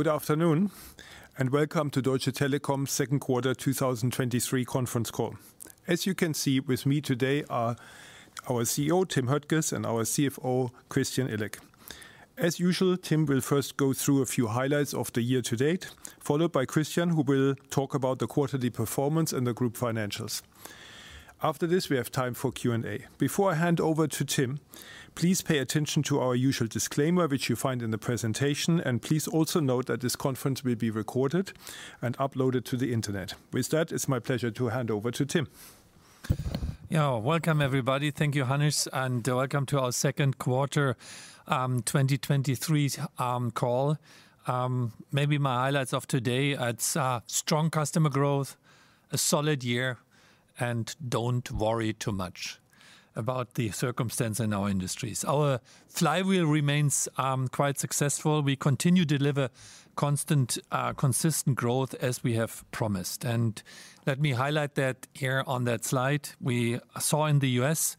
Good afternoon. Welcome to Deutsche Telekom's second quarter 2023 conference call. As you can see, with me today are our CEO, Tim Höttges, and our CFO, Christian Illek. As usual, Tim will first go through a few highlights of the year to date, followed by Christian, who will talk about the quarterly performance and the group financials. After this, we have time for Q&A. Before I hand over to Tim, please pay attention to our usual disclaimer, which you find in the presentation, and please also note that this conference will be recorded and uploaded to the Internet. It's my pleasure to hand over to Tim. Yeah. Welcome, everybody. Thank you, Hannes. Welcome to our second quarter, 2023's call. Maybe my highlights of today: it's strong customer growth, a solid year. Don't worry too much about the circumstance in our industries. Our flywheel remains quite successful. We continue to deliver constant consistent growth as we have promised. Let me highlight that here on that slide. We saw in the U.S.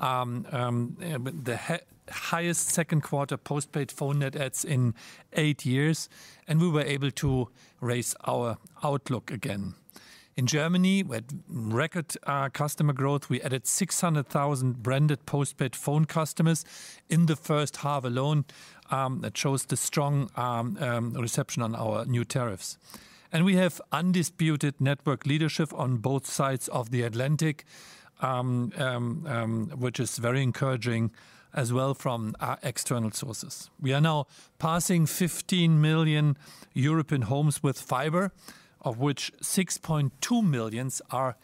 the highest second quarter postpaid phone net adds in eight years. We were able to raise our outlook again. In Germany, we had record customer growth. We added 600,000 branded postpaid phone customers in the first half alone. That shows the strong reception on our new tariffs. We have undisputed network leadership on both sides of the Atlantic, which is very encouraging as well from our external sources. We are now passing 15 million European homes with fiber, of which 6.2 million are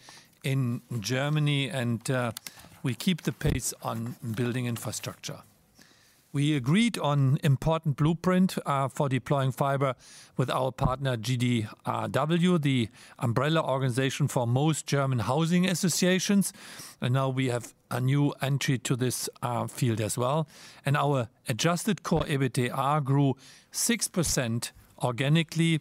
in Germany, and we keep the pace on building infrastructure. We agreed on important blueprint for deploying fiber with our partner GDW, the umbrella organization for most German housing associations, and now we have a new entry to this field as well. Our adjusted core EBITDA grew 6% organically,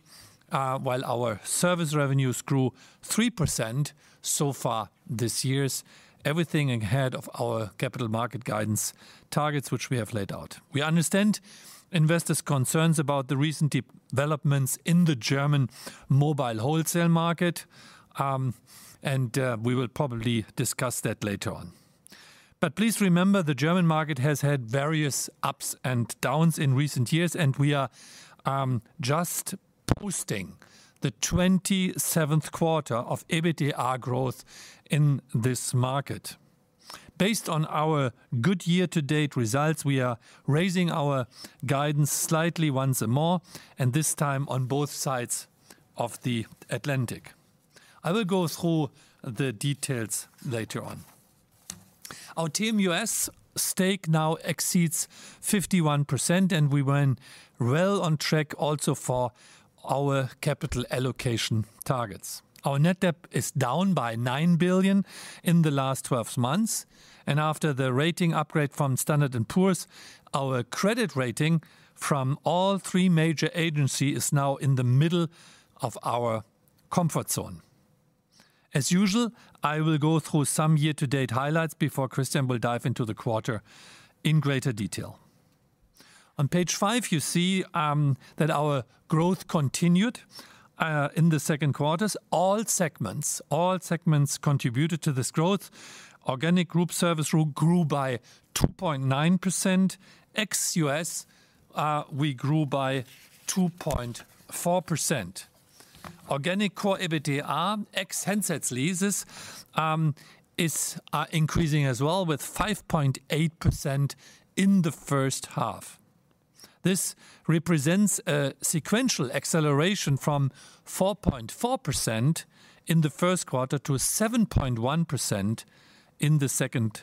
while our service revenues grew 3% so far this year. Everything ahead of our capital market guidance targets, which we have laid out. We understand investors' concerns about the recent developments in the German mobile wholesale market, and we will probably discuss that later on. Please remember, the German market has had various ups and downs in recent years, and we are just posting the 27th quarter of EBITDA growth in this market. Based on our good year-to-date results, we are raising our guidance slightly once more, and this time on both sides of the Atlantic. I will go through the details later on. Our TM U.S. stake now exceeds 51%, and we were well on track also for our capital allocation targets. Our net debt is down by 9 billion in the last 12 months, and after the rating upgrade from Standard & Poor's, our credit rating from all three major agency is now in the middle of our comfort zone. As usual, I will go through some year-to-date highlights before Christian will dive into the quarter in greater detail. On page five, you see that our growth continued in the second quarters. All segments, all segments contributed to this growth. Organic group service grew by 2.9%. Ex-U.S., we grew by 2.4%. Organic core EBITDA, ex-handset leases, is increasing as well with 5.8% in the first half. This represents a sequential acceleration from 4.4% in the first quarter to 7.1% in the second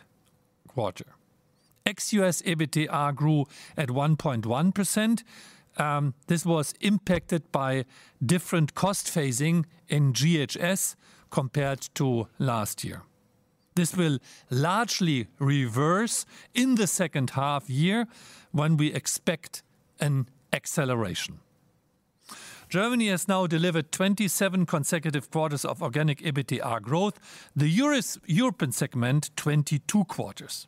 quarter. Ex-U.S., EBITDA grew at 1.1%. This was impacted by different cost phasing in GHS compared to last year. This will largely reverse in the second half year when we expect an acceleration. Germany has now delivered 27 consecutive quarters of organic EBITDA growth. The European segment, 22 quarters.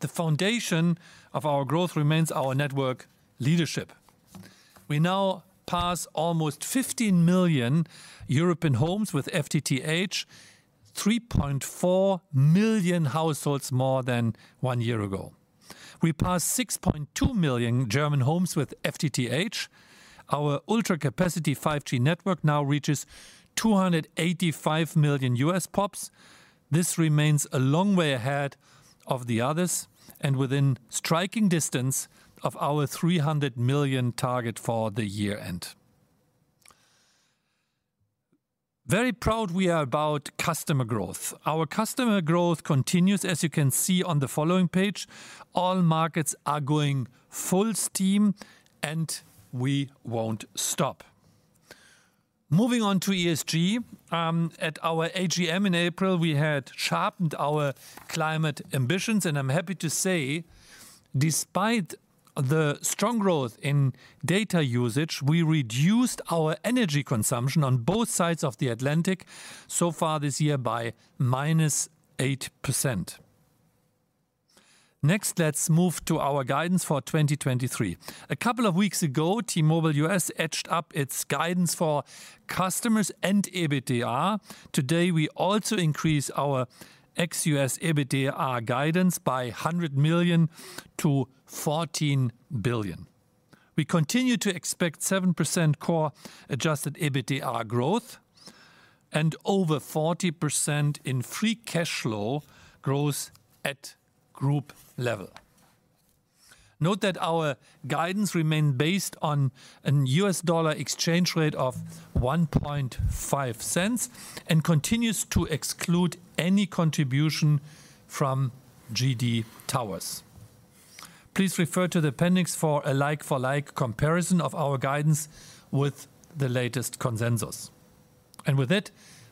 The foundation of our growth remains our network leadership. We now pass almost 15 million European homes with FTTH, 3.4 million households more than one year ago. We passed 6.2 million German homes with FTTH. Our ultra-capacity 5G network now reaches 285 million U.S. pops. This remains a long way ahead of the others and within striking distance of our 300 million target for the year-end. Very proud we are about customer growth. Our customer growth continues, as you can see on the following page. All markets are going full steam, we won't stop. Moving on to ESG. At our AGM in April, we had sharpened our climate ambitions, I'm happy to say, despite the strong growth in data usage, we reduced our energy consumption on both sides of the Atlantic so far this year by -8%. Next, let's move to our guidance for 2023. A couple of weeks ago, T-Mobile U.S. edged up its guidance for customers and EBITDA. Today, we also increase our ex-U.S. EBITDA guidance by 100 million to 14 billion. We continue to expect 7% core Adjusted EBITDA growth and over 40% in free cash flow growth at group level. Note that our guidance remain based on an U.S. dollar exchange rate of $0.015, and continues to exclude any contribution from GD Towers. Please refer to the appendix for a like-for-like comparison of our guidance with the latest consensus. With it,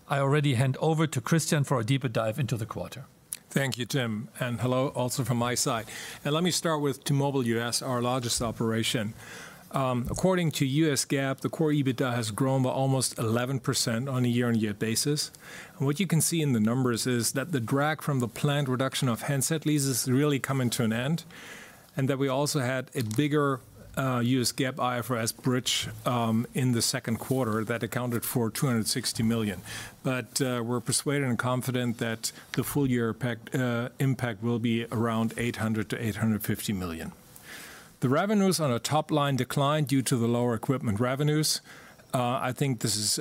I already hand over to Christian for a deeper dive into the quarter. Thank you, Tim, hello also from my side. According to U.S. GAAP, the core EBITDA has grown by almost 11% on a year-on-year basis. What you can see in the numbers is that the drag from the planned reduction of handset leases is really coming to an end, and that we also had a bigger U.S. GAAP IFRS bridge in the second quarter that accounted for $260 million. We're persuaded and confident that the full year impact will be around $800 million-$850 million. The revenues on a top line declined due to the lower equipment revenues. I think this is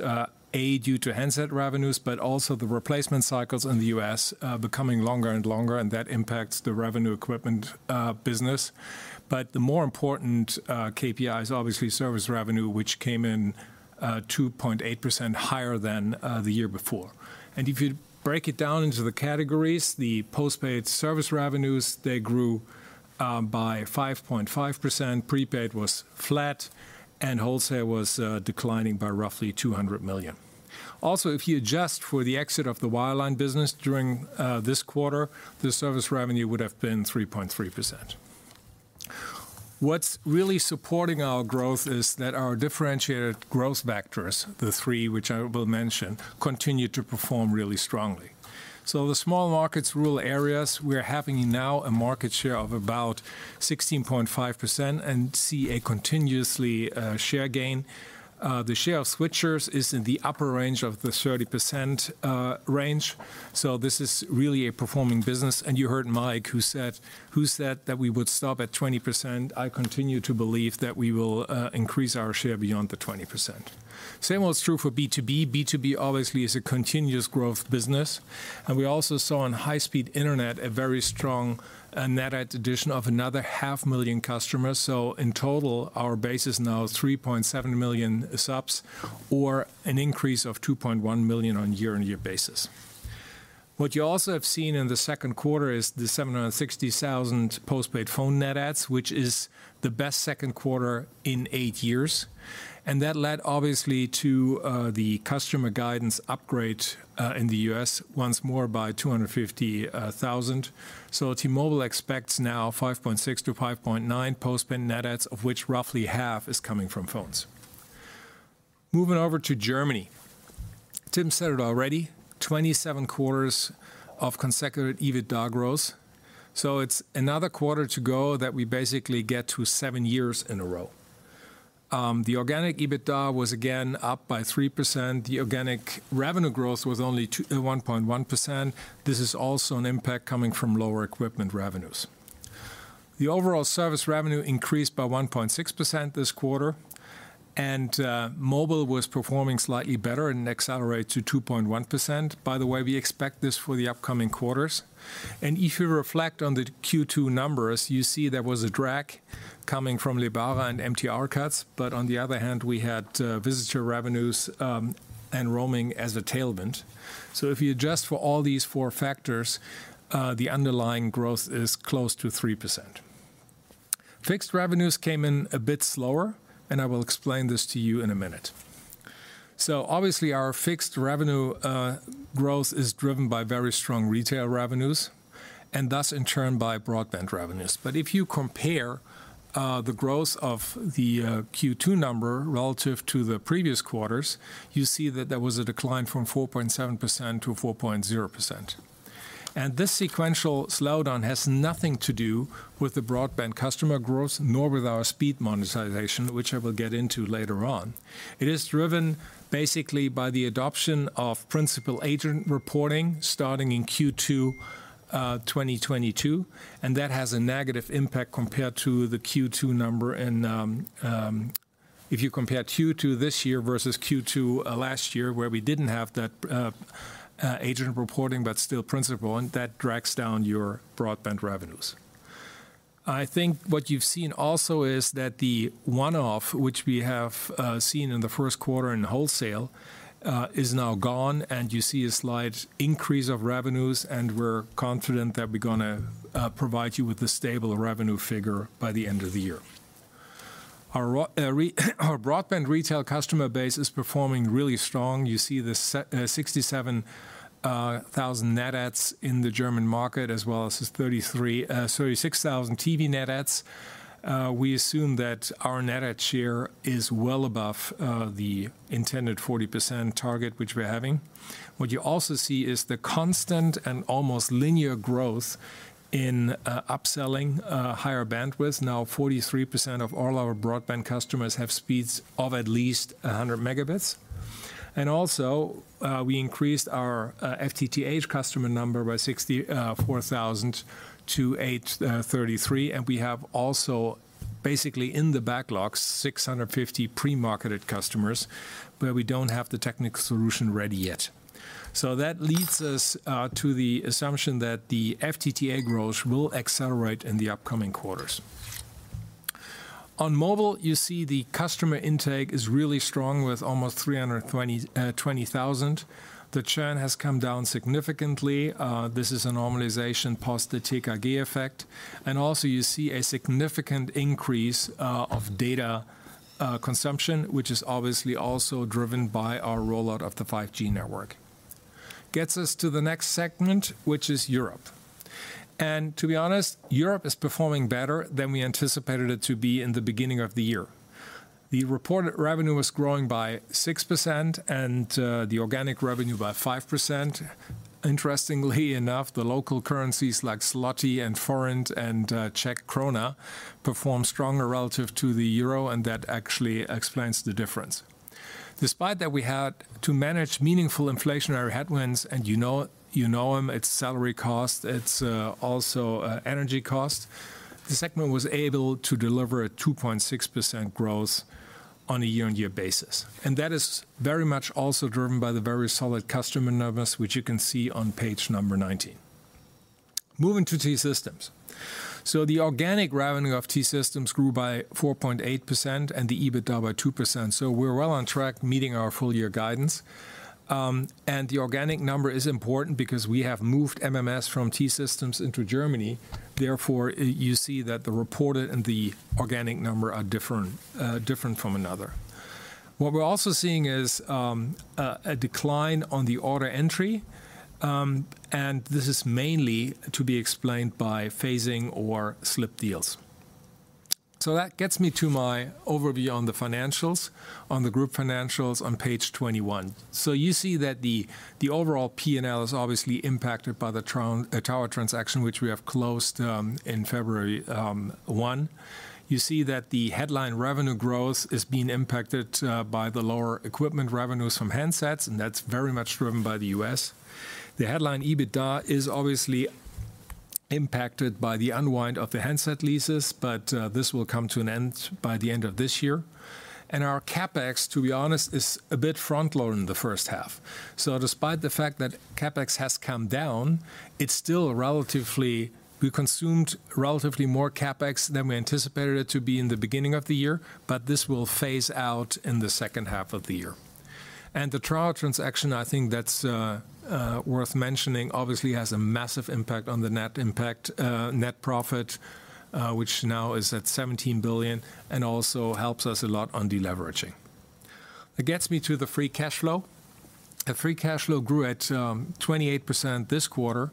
A. due to handset revenues, but also the replacement cycles in the U.S. becoming longer and longer, and that impacts the revenue equipment business. The more important KPI is obviously service revenue, which came in 2.8% higher than the year before. If you break it down into the categories, the postpaid service revenues, they grew by 5.5%, prepaid was flat, and wholesale was declining by roughly 200 million. Also, if you adjust for the exit of the wireline business during this quarter, the service revenue would have been 3.3%. What's really supporting our growth is that our differentiated growth vectors, the three which I will mention, continue to perform really strongly. The small markets, rural areas, we are having now a market share of about 16.5% and see a continuously, share gain. The share of switchers is in the upper range of the 30% range, so this is really a performing business. You heard Mike, who said, who said that we would stop at 20%. I continue to believe that we will increase our share beyond the 20%. Same well is true for B2B. B2B obviously is a continuous growth business, and we also saw on high-speed internet a very strong net add addition of another half million customers. In total, our base is now 3.7 million subs, or an increase of 2.1 million on a year-on-year basis. What you also have seen in the second quarter is the 760,000 postpaid phone net adds, which is the best second quarter in 8 years. That led, obviously, to the customer guidance upgrade in the U.S. once more by 250,000. T-Mobile expects now 5.6 to 5.9 postpaid net adds, of which roughly half is coming from phones. Moving over to Germany. Tim said it already, 27 quarters of consecutive EBITDA growth, it's another quarter to go that we basically get to 7 years in a row. The organic EBITDA was again up by 3%. The organic revenue growth was only 1.1%. This is also an impact coming from lower equipment revenues. The overall service revenue increased by 1.6% this quarter. Mobile was performing slightly better and accelerate to 2.1%. By the way, we expect this for the upcoming quarters. If you reflect on the Q2 numbers, you see there was a drag coming from Lebara and MTR cuts, but on the other hand, we had visitor revenues and roaming as a tailwind. If you adjust for all these four factors, the underlying growth is close to 3%. Fixed revenues came in a bit slower. I will explain this to you in a minute. Obviously, our fixed revenue growth is driven by very strong retail revenues, and thus, in turn, by broadband revenues. If you compare the growth of the Q2 number relative to the previous quarters, you see that there was a decline from 4.7% to 4.0%. This sequential slowdown has nothing to do with the broadband customer growth, nor with our speed monetization, which I will get into later on. It is driven basically by the adoption of principal-agent reporting starting in Q2 2022, and that has a negative impact compared to the Q2 number. If you compare Q2 this year versus Q2 last year, where we didn't have that agent reporting but still principal, and that drags down your broadband revenues. I think what you've seen also is that the one-off, which we have seen in the first quarter in wholesale, is now gone. You see a slight increase of revenues, and we're confident that we're gonna provide you with a stable revenue figure by the end of the year. Our broadband retail customer base is performing really strong. You see the 67,000 net adds in the German market, as well as this 36,000 TV net adds. We assume that our net add share is well above the intended 40% target, which we're having. What you also see is the constant and almost linear growth in upselling higher bandwidth. Now, 43% of all our broadband customers have speeds of at least 100 megabits. Also, we increased our FTTH customer number by 64,000 to 833. We have also, basically in the backlogs, 650 pre-marketed customers, where we don't have the technical solution ready yet. That leads us to the assumption that the FTTH growth will accelerate in the upcoming quarters. On mobile, you see the customer intake is really strong, with almost 320,000. The churn has come down significantly. This is a normalization post the TKG effect. Also, you see a significant increase of data consumption, which is obviously also driven by our rollout of the 5G network. Gets us to the next segment, which is Europe. To be honest, Europe is performing better than we anticipated it to be in the beginning of the year. The reported revenue was growing by 6% and the organic revenue by 5%. Interestingly enough, the local currencies, like zloty and forint and Czech koruna, performed stronger relative to the euro, and that actually explains the difference. Despite that, we had to manage meaningful inflationary headwinds, and you know, you know them. It's salary cost, it's also energy cost. The segment was able to deliver a 2.6% growth on a year-on-year basis, and that is very much also driven by the very solid customer numbers, which you can see on page number 19. Moving to T-Systems. The organic revenue of T-Systems grew by 4.8% and the EBITDA by 2%, so we're well on track meeting our full-year guidance. The organic number is important because we have moved MMS from T-Systems into Germany. Therefore, you see that the reported and the organic number are different, different from another. What we're also seeing is a decline on the order entry, and this is mainly to be explained by phasing or slipped deals. That gets me to my overview on the financials, on the group financials on page 21. You see that the overall P&L is obviously impacted by the tower transaction, which we have closed in February 1. You see that the headline revenue growth is being impacted by the lower equipment revenues from handsets, and that's very much driven by the U.S. The headline EBITDA is obviously impacted by the unwind of the handset leases, but this will come to an end by the end of this year. Our CapEx, to be honest, is a bit front-loaded in the first half. Despite the fact that CapEx has come down, we consumed relatively more CapEx than we anticipated it to be in the beginning of the year, but this will phase out in the second half of the year. The tower transaction, I think that's worth mentioning, obviously has a massive impact on the net impact, net profit, which now is at 17 billion, and also helps us a lot on deleveraging. It gets me to the free cash flow. The free cash flow grew at 28% this quarter,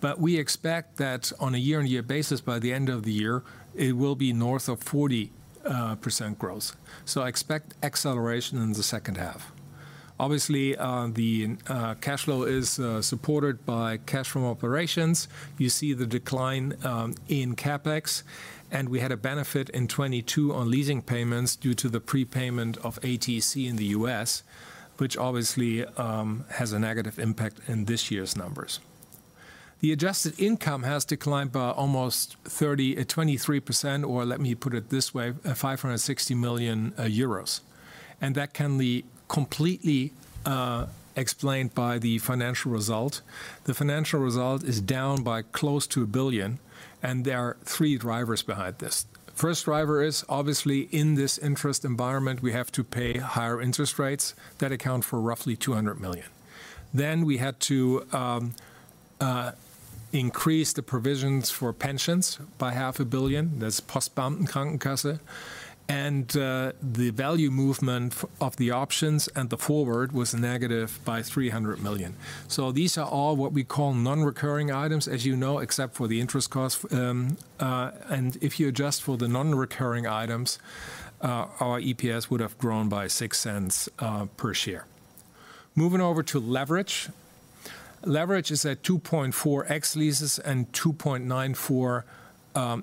but we expect that on a year-on-year basis, by the end of the year, it will be north of 40% growth, so I expect acceleration in the second half. Obviously, the cash flow is supported by cash from operations. You see the decline in CapEx, and we had a benefit in 2022 on leasing payments due to the prepayment of ATC in the U.S., which obviously has a negative impact in this year's numbers. The adjusted income has declined by almost 23%, or let me put it this way, 560 million euros. That can be completely explained by the financial result. The financial result is down by close to 1 billion, and there are three drivers behind this. First driver is, obviously, in this interest environment, we have to pay higher interest rates that account for roughly 200 million. We had to increase the provisions for pensions by 500 million. That's post Beamtenkrankenkasse. The value movement of the options and the forward was negative by 300 million. These are all what we call non-recurring items, as you know, except for the interest costs. If you adjust for the non-recurring items, our EPS would have grown by 0.06 per share. Moving over to leverage. Leverage is at 2.4x leases and 2.94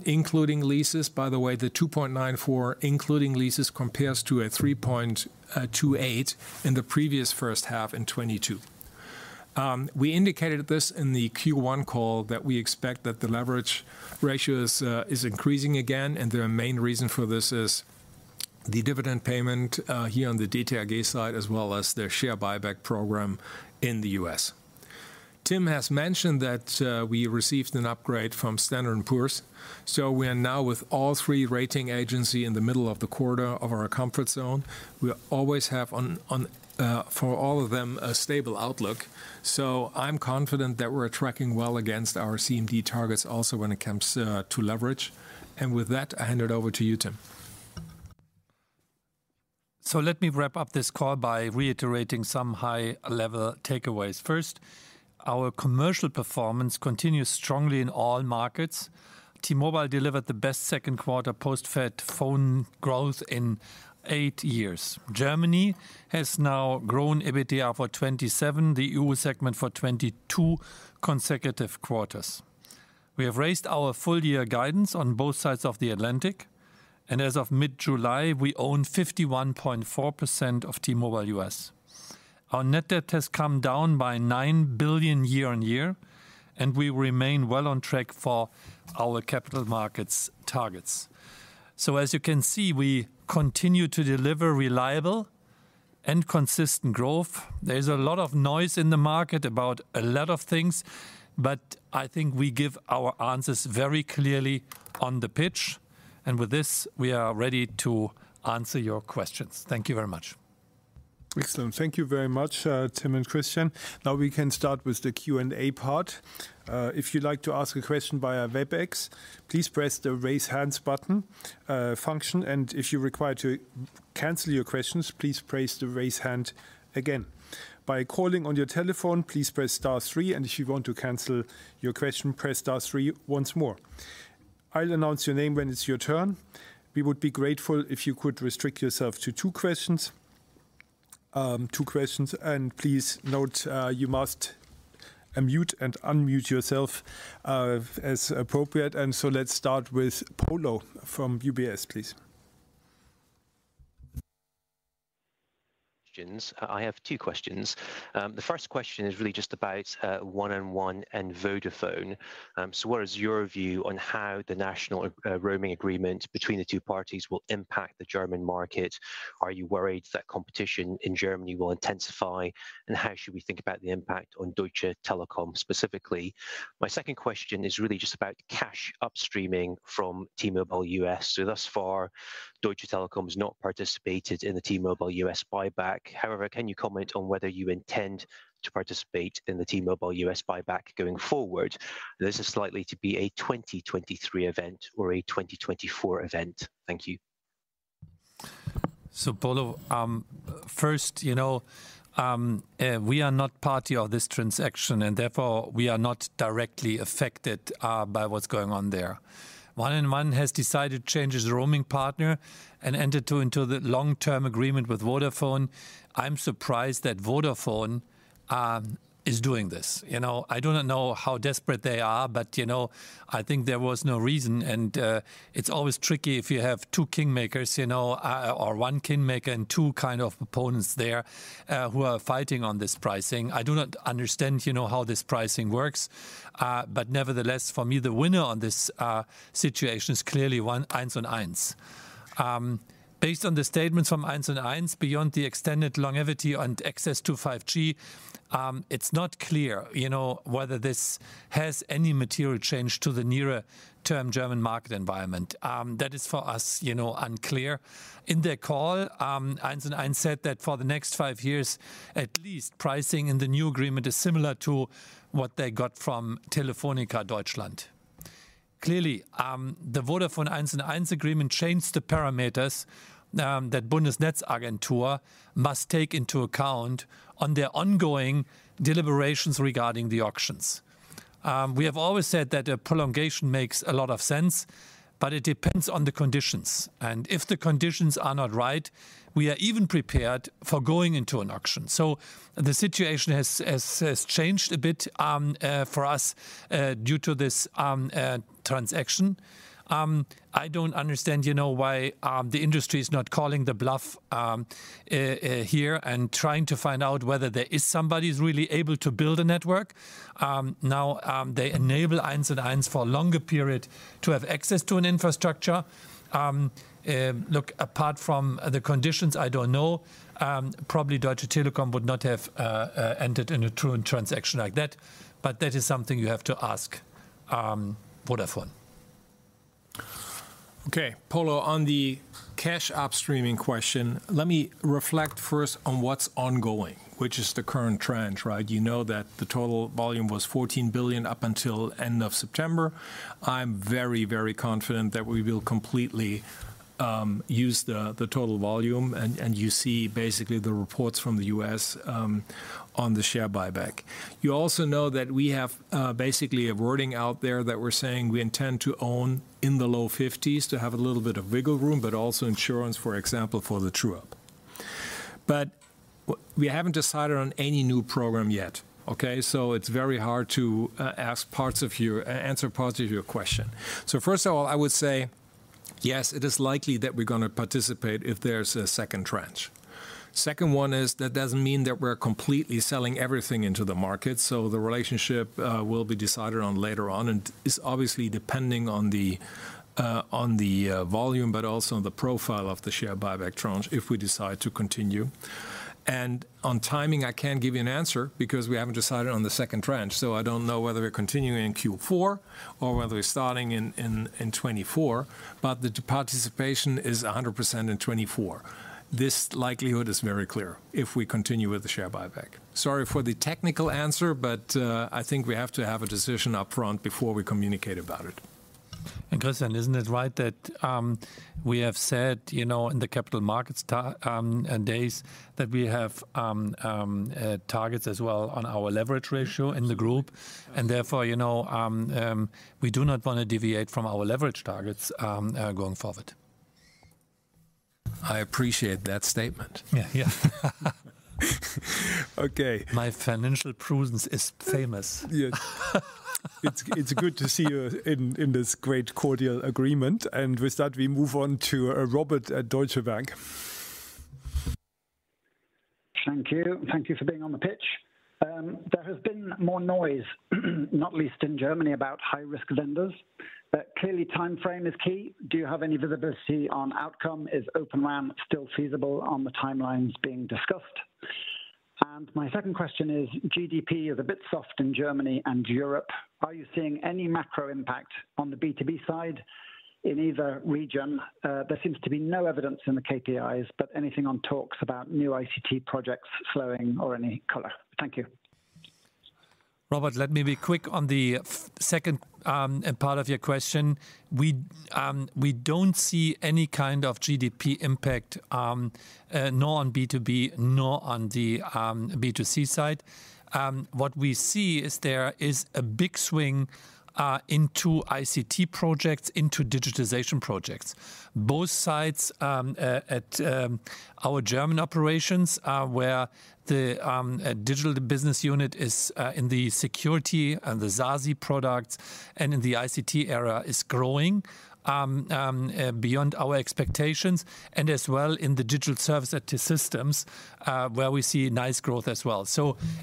including leases. By the way, the 2.94 including leases compares to a 3.28 in the previous first half in 2022. We indicated this in the Q1 call that we expect that the leverage ratio is increasing again, and the main reason for this is the dividend payment here on the DTG side, as well as their share buyback program in the U.S.. Tim has mentioned that, we received an upgrade from Standard & Poor's, so we are now with all 3 rating agency in the middle of the quarter of our comfort zone. We always have on, on, for all of them, a stable outlook, so I'm confident that we're tracking well against our CMD targets also when it comes to leverage. With that, I hand it over to you, Tim. Let me wrap up this call by reiterating some high-level takeaways. First, our commercial performance continues strongly in all markets. T-Mobile delivered the best second quarter post-paid phone growth in 8 years. Germany has now grown EBITDA for 27, the EU segment for 22 consecutive quarters. We have raised our full year guidance on both sides of the Atlantic, and as of mid-July, we own 51.4% of T-Mobile U.S.. Our net debt has come down by 9 billion year-on-year, and we remain well on track for our capital markets targets. As you can see, we continue to deliver reliable and consistent growth. There's a lot of noise in the market about a lot of things, but I think we give our answers very clearly on the pitch, and with this, we are ready to answer your questions. Thank you very much. Excellent. Thank you very much, Tim and Christian. Now we can start with the Q&A part. If you'd like to ask a question via Webex, please press the Raise Hands button function, and if you're required to cancel your questions, please press the Raise Hand again. By calling on your telephone, please press star three, and if you want to cancel your question, press star three once more. I'll announce your name when it's your turn. We would be grateful if you could restrict yourself to two questions. Two questions, and please note, you must, unmute and unmute yourself, as appropriate. So let's start with Polo from UBS, please. I have two questions. The first question is really just about 1&1 and Vodafone. What is your view on how the national roaming agreement between the two parties will impact the German market? Are you worried that competition in Germany will intensify? How should we think about the impact on Deutsche Telekom specifically? My second question is really just about cash upstreaming from T-Mobile U.S.. Thus far, Deutsche Telekom has not participated in the T-Mobile U.S. buyback. However, can you comment on whether you intend to participate in the T-Mobile U.S. buyback going forward? This is likely to be a 2023 event or a 2024 event. Thank you. Polo, first, you know, we are not party of this transaction, and therefore, we are not directly affected by what's going on there. 1&1 has decided to change its roaming partner and enter into, into the long-term agreement with Vodafone. I'm surprised that Vodafone is doing this. You know, I do not know how desperate they are, but, you know, I think there was no reason. It's always tricky if you have two kingmakers, you know, or one kingmaker and two kind of opponents there, who are fighting on this pricing. I do not understand, you know, how this pricing works, but nevertheless, for me, the winner on this situation is clearly one, Eins und Eins. Based on the statements from 1&1, beyond the extended longevity and access to 5G, it's not clear, you know, whether this has any material change to the nearer-term German market environment. That is, for us, you know, unclear. In their call, 1&1 said that for the next five years, at least, pricing in the new agreement is similar to what they got from Telefónica Deutschland. Clearly, the Vodafone and 1&1 agreement changed the parameters that Bundesnetzagentur must take into account on their ongoing deliberations regarding the auctions. We have always said that a prolongation makes a lot of sense, but it depends on the conditions. If the conditions are not right, we are even prepared for going into an auction. The situation has, has, has changed a bit, for us, due to this transaction. I don't understand, you know, why the industry is not calling the bluff here and trying to find out whether there is somebody who's really able to build a network. Now, they enable 1&1 for a longer period to have access to an infrastructure. Look, apart from the conditions, I don't know. Probably Deutsche Telekom would not have entered in a true transaction like that, but that is something you have to ask Vodafone. Okay, Polo, on the cash upstreaming question, let me reflect first on what's ongoing, which is the current trend, right? You know that the total volume was $14 billion up until end of September. I'm very, very confident that we will completely use the total volume, and you see basically the reports from the U.S. on the share buyback. You also know that we have basically a wording out there that we're saying we intend to own in the low 50s to have a little bit of wiggle room, but also insurance, for example, for the true-up. We haven't decided on any new program yet, okay? It's very hard to ask parts of your question. First of all, I would say, yes, it is likely that we're gonna participate if there's a second tranche. Second one is that doesn't mean that we're completely selling everything into the market, so the relationship will be decided on later on, and it's obviously depending on the, on the volume, but also on the profile of the share buyback tranche if we decide to continue. On timing, I can't give you an answer because we haven't decided on the second tranche, so I don't know whether we're continuing in Q4 or whether we're starting in 2024, but the participation is 100% in 2024. This likelihood is very clear if we continue with the share buyback. Sorry for the technical answer, but I think we have to have a decision up front before we communicate about it. Christian, isn't it right that, we have said, you know, in the Capital Markets Days, that we have targets as well on our leverage ratio in the group, and therefore, you know, we do not want to deviate from our leverage targets going forward? I appreciate that statement. Yeah. Yeah. Okay. My financial prudence is famous. Yeah. It's, it's good to see you in, in this great cordial agreement. With that, we move on to, Robert at Deutsche Bank. Thank you. Thank you for being on the pitch. There has been more noise, not least in Germany, about high-risk vendors, but clearly timeframe is key. Do you have any visibility on outcome? Is Open RAN still feasible on the timelines being discussed? My second question is, GDP is a bit soft in Germany and Europe. Are you seeing any macro impact on the B2B side in either region? There seems to be no evidence in the KPIs, but anything on talks about new ICT projects flowing or any color? Thank you. Robert, let me be quick on the second part of your question. We, we don't see any kind of GDP impact, nor on B2B, nor on the B2C side. What we see is there is a big swing into ICT projects, into digitization projects. Both sides, at our German operations, where the digital business unit is in the security and the SASE products and in the ICT era, is growing beyond our expectations, and as well in the digital service at T-Systems, where we see nice growth as well.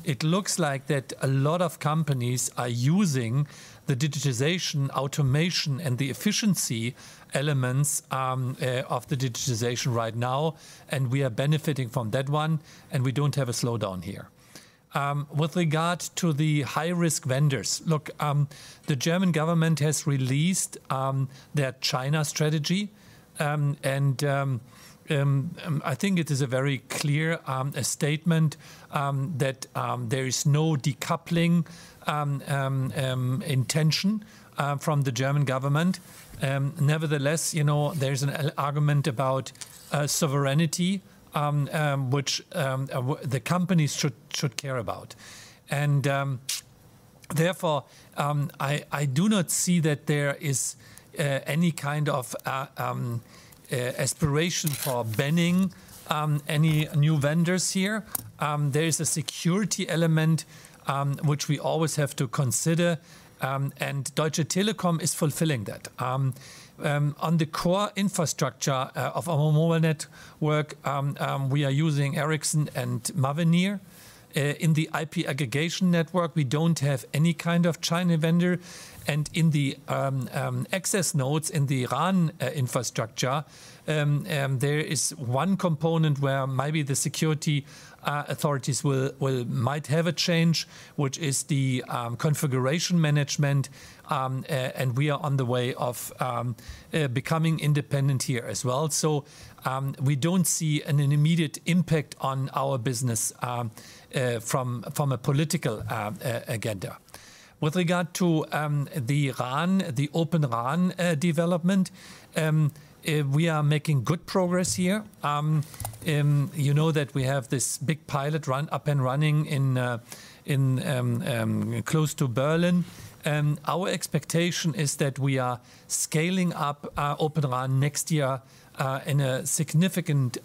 It looks like that a lot of companies are using the digitization, automation, and the efficiency elements of the digitization right now, and we are benefiting from that one, and we don't have a slowdown here. With regard to the high-risk vendors, look, the German government has released their China strategy, and I think it is a very clear statement that there is no decoupling intention from the German government. Nevertheless, you know, there's an argument about sovereignty, which the companies should care about. And therefore, I do not see that there is any kind of aspiration for banning any new vendors here. There is a security element, which we always have to consider, and Deutsche Telekom is fulfilling that. On the core infrastructure of our mobile network, we are using Ericsson and Mavenir. In the IP aggregation network, we don't have any kind of China vendor, and in the access nodes in the RAN infrastructure, there is one component where maybe the security authorities will might have a change, which is the configuration management, and we are on the way of becoming independent here as well. We don't see an immediate impact on our business from, from a political agenda. With regard to the RAN, the Open RAN development, we are making good progress here. You know that we have this big pilot RAN up and running in, in close to Berlin. Our expectation is that we are scaling up our Open RAN next year in a significant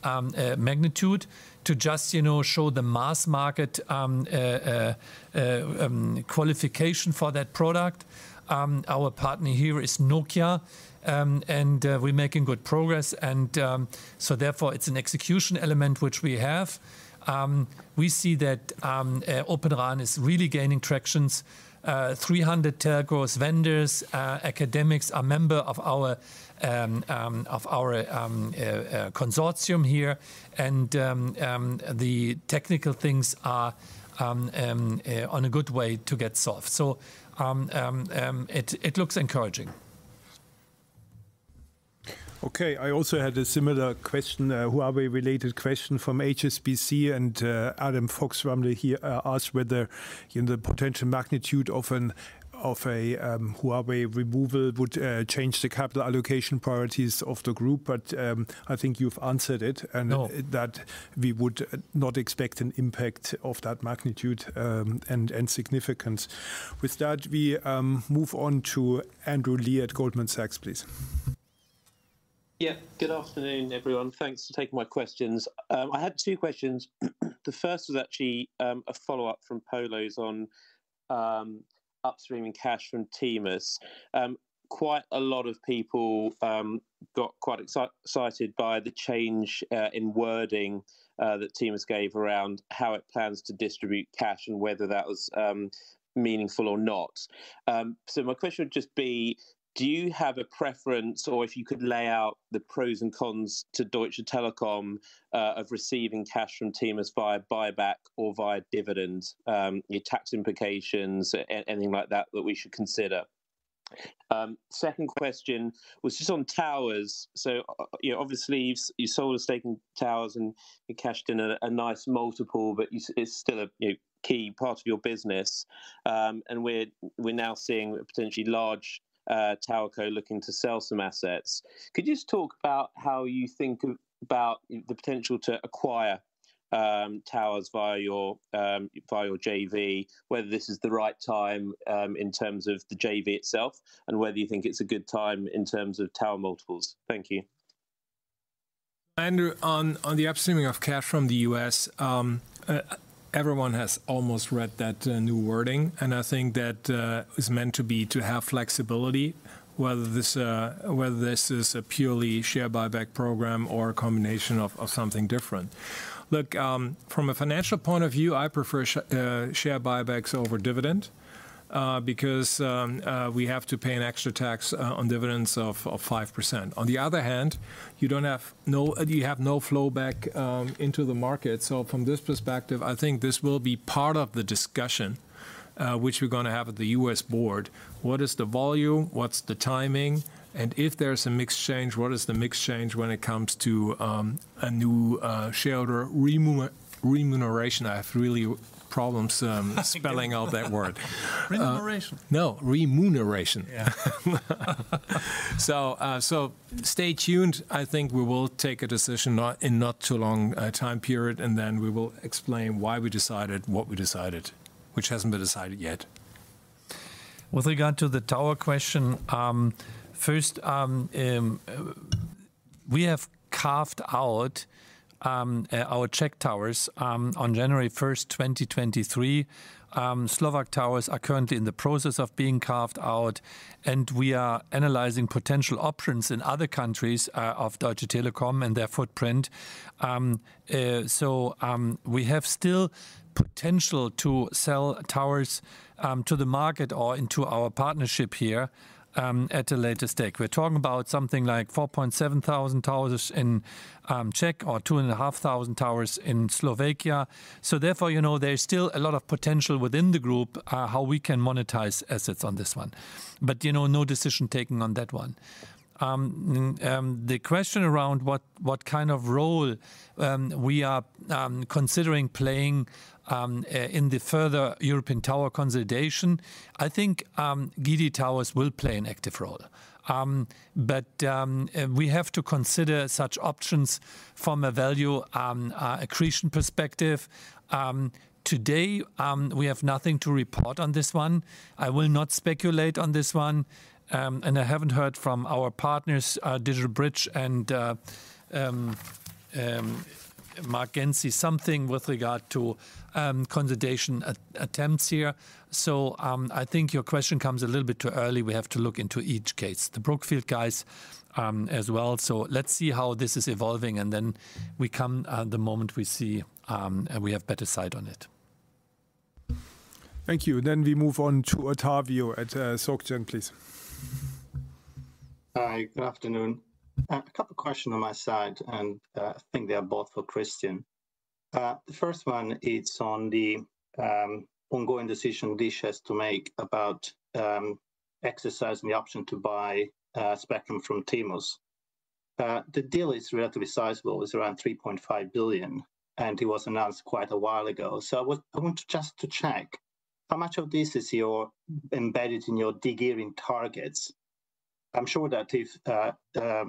magnitude to just, you know, show the mass market qualification for that product. Our partner here is Nokia, and we're making good progress, and so therefore, it's an execution element which we have. We see that Open RAN is really gaining tractions. 300 telcos, vendors, academics, are member of our of our consortium here, and the technical things are on a good way to get solved. It, it looks encouraging. Okay. I also had a similar question, Huawei-related question from HSBC, and Adam Fox from here, asked whether, you know, the potential magnitude of an, of a, Huawei removal would, change the capital allocation priorities of the group, but, I think you've answered it- No And that we would not expect an impact of that magnitude, and, and significance. With that, we move on to Andrew Lee at Goldman Sachs, please. Yeah. Good afternoon, everyone. Thanks for taking my questions. I had two questions. The first was actually a follow-up from Polo's on upstream and cash from Timos. Quite a lot of people got quite excited by the change in wording that Timos gave around how it plans to distribute cash and whether that was meaningful or not. So my question would just be: Do you have a preference, or if you could lay out the pros and cons to Deutsche Telekom of receiving cash from Timos via buyback or via dividends, your tax implications, anything like that, that we should consider? Second question was just on towers. You know, obviously, you've, you sold a stake in towers, and you cashed in a nice multiple, but it's still a, you know, key part of your business. We're, we're now seeing a potentially large tower co looking to sell some assets. Could you just talk about how you think about the potential to acquire towers via your via your JV? Whether this is the right time in terms of the JV itself, and whether you think it's a good time in terms of tower multiples? Thank you. Andrew, on, on the upstreaming of cash from the U.S., everyone has almost read that new wording, and I think that it's meant to be to have flexibility, whether this whether this is a purely share buyback program or a combination of, of something different. Look, from a financial point of view, I prefer share buybacks over dividend, because we have to pay an extra tax on dividends of, of 5%. On the other hand, you have no flow back into the market. From this perspective, I think this will be part of the discussion which we're gonna have at the U.S. Board. What is the volume? What's the timing? If there's a mix change, what is the mix change when it comes to a new shareholder remuneration? I have really problems spelling out that word. Remuneration. No, remuneration. Yeah. So stay tuned. I think we will take a decision, not, in not too long time period, and then we will explain why we decided what we decided, which hasn't been decided yet. With regard to the tower question, first, we have carved out our Czech towers on January 1st, 2023. Slovak towers are currently in the process of being carved out, and we are analyzing potential options in other countries of Deutsche Telekom and their footprint. We have still potential to sell towers to the market or into our partnership here at a later stake. We're talking about something like 4,700 towers in Czech or 2,500 towers in Slovakia. Therefore, you know, there is still a lot of potential within the group, how we can monetize assets on this one. You know, no decision taken on that one. The question around what, what kind of role we are considering playing in the further European tower consolidation, I think GD Towers will play an active role. We have to consider such options from a value accretion perspective. Today, we have nothing to report on this one. I will not speculate on this one, and I haven't heard from our partners, DigitalBridge and Marc Ganzi, something with regard to consolidation attempts here. Your question comes a little bit too early. We have to look into each case, the Brookfield guys, as well. Let's see how this is evolving, and then we come at the moment we see, and we have better sight on it. Thank you. We move on to Ottavio at SocGen, please. Hi, good afternoon. A couple of questions on my side, and I think they are both for Christian. The first one, it's on the ongoing decision DISH has to make about exercising the option to buy spectrum from T-Mobile U.S.. The deal is relatively sizable. It's around $3.5 billion, and it was announced quite a while ago. I want to just to check, how much of this is your embedded in your deleveraging targets? I'm sure that if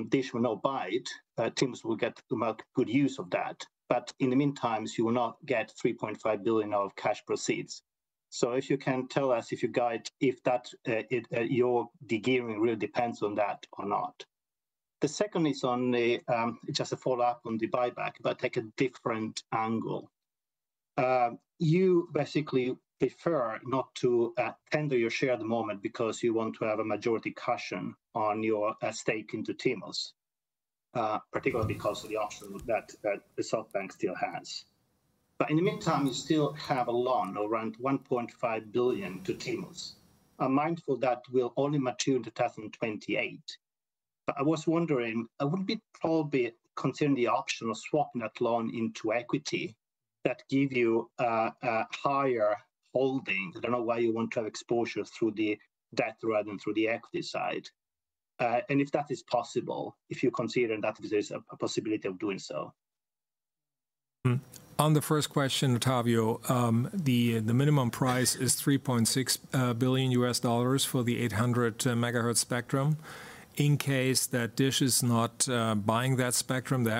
DISH will not buy it, T-Mobile U.S. will get to make good use of that. In the meantime, you will not get $3.5 billion of cash proceeds. If you can tell us, if you guide, if that it, your deleveraging really depends on that or not. The second is on the just a follow-up on the buyback, but take a different angle. You basically prefer not to tender your share at the moment because you want to have a majority cushion on your stake into TMUS, particularly because of the option that, that the SoftBank still has. In the meantime, you still have a loan around $1.5 billion to TMUS. I'm mindful that will only mature in 2028. I was wondering, wouldn't it probably consider the option of swapping that loan into equity that give you a higher holding? I don't know why you want to have exposure through the debt rather than through the equity side. If that is possible, if you're considering that there's a possibility of doing so. Hmm, on the first question, Ottavio, the minimum price is $3.6 billion for the 800 MHz spectrum. In case that DISH is not buying that spectrum, they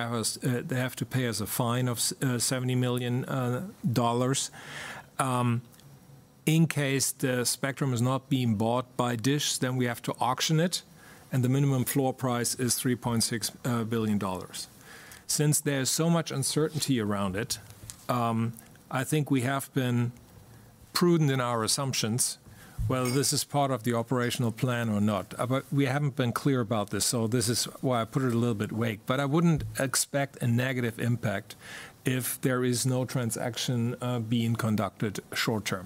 have to pay us a fine of $70 million. In case the spectrum is not being bought by DISH, we have to auction it, and the minimum floor price is $3.6 billion. Since there's so much uncertainty around it, I think we have been prudent in our assumptions whether this is part of the operational plan or not. We haven't been clear about this, so this is why I put it a little bit vague. I wouldn't expect a negative impact if there is no transaction being conducted short term.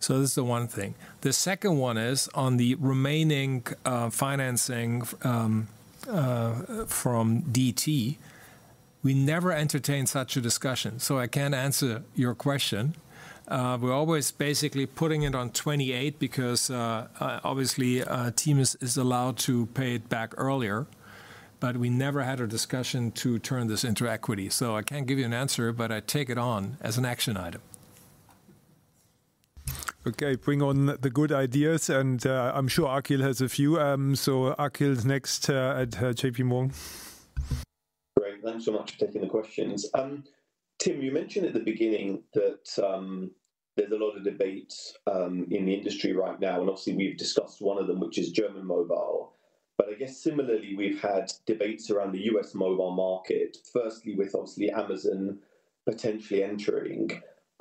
This is the one thing. The second one is on the remaining financing from DT. We never entertained such a discussion, I can't answer your question. We're always basically putting it on 28 because obviously TMUS is allowed to pay it back earlier, but we never had a discussion to turn this into equity. I can't give you an answer, but I take it on as an action item. Okay, bring on the good ideas, and I'm sure Akhil has a few. Akhil's next at JPMorgan. Great. Thanks so much for taking the questions. Tim, you mentioned at the beginning that there's a lot of debates in the industry right now, and obviously, we've discussed one of them, which is German mobile. I guess similarly, we've had debates around the U.S. mobile market, firstly with obviously Amazon potentially entering.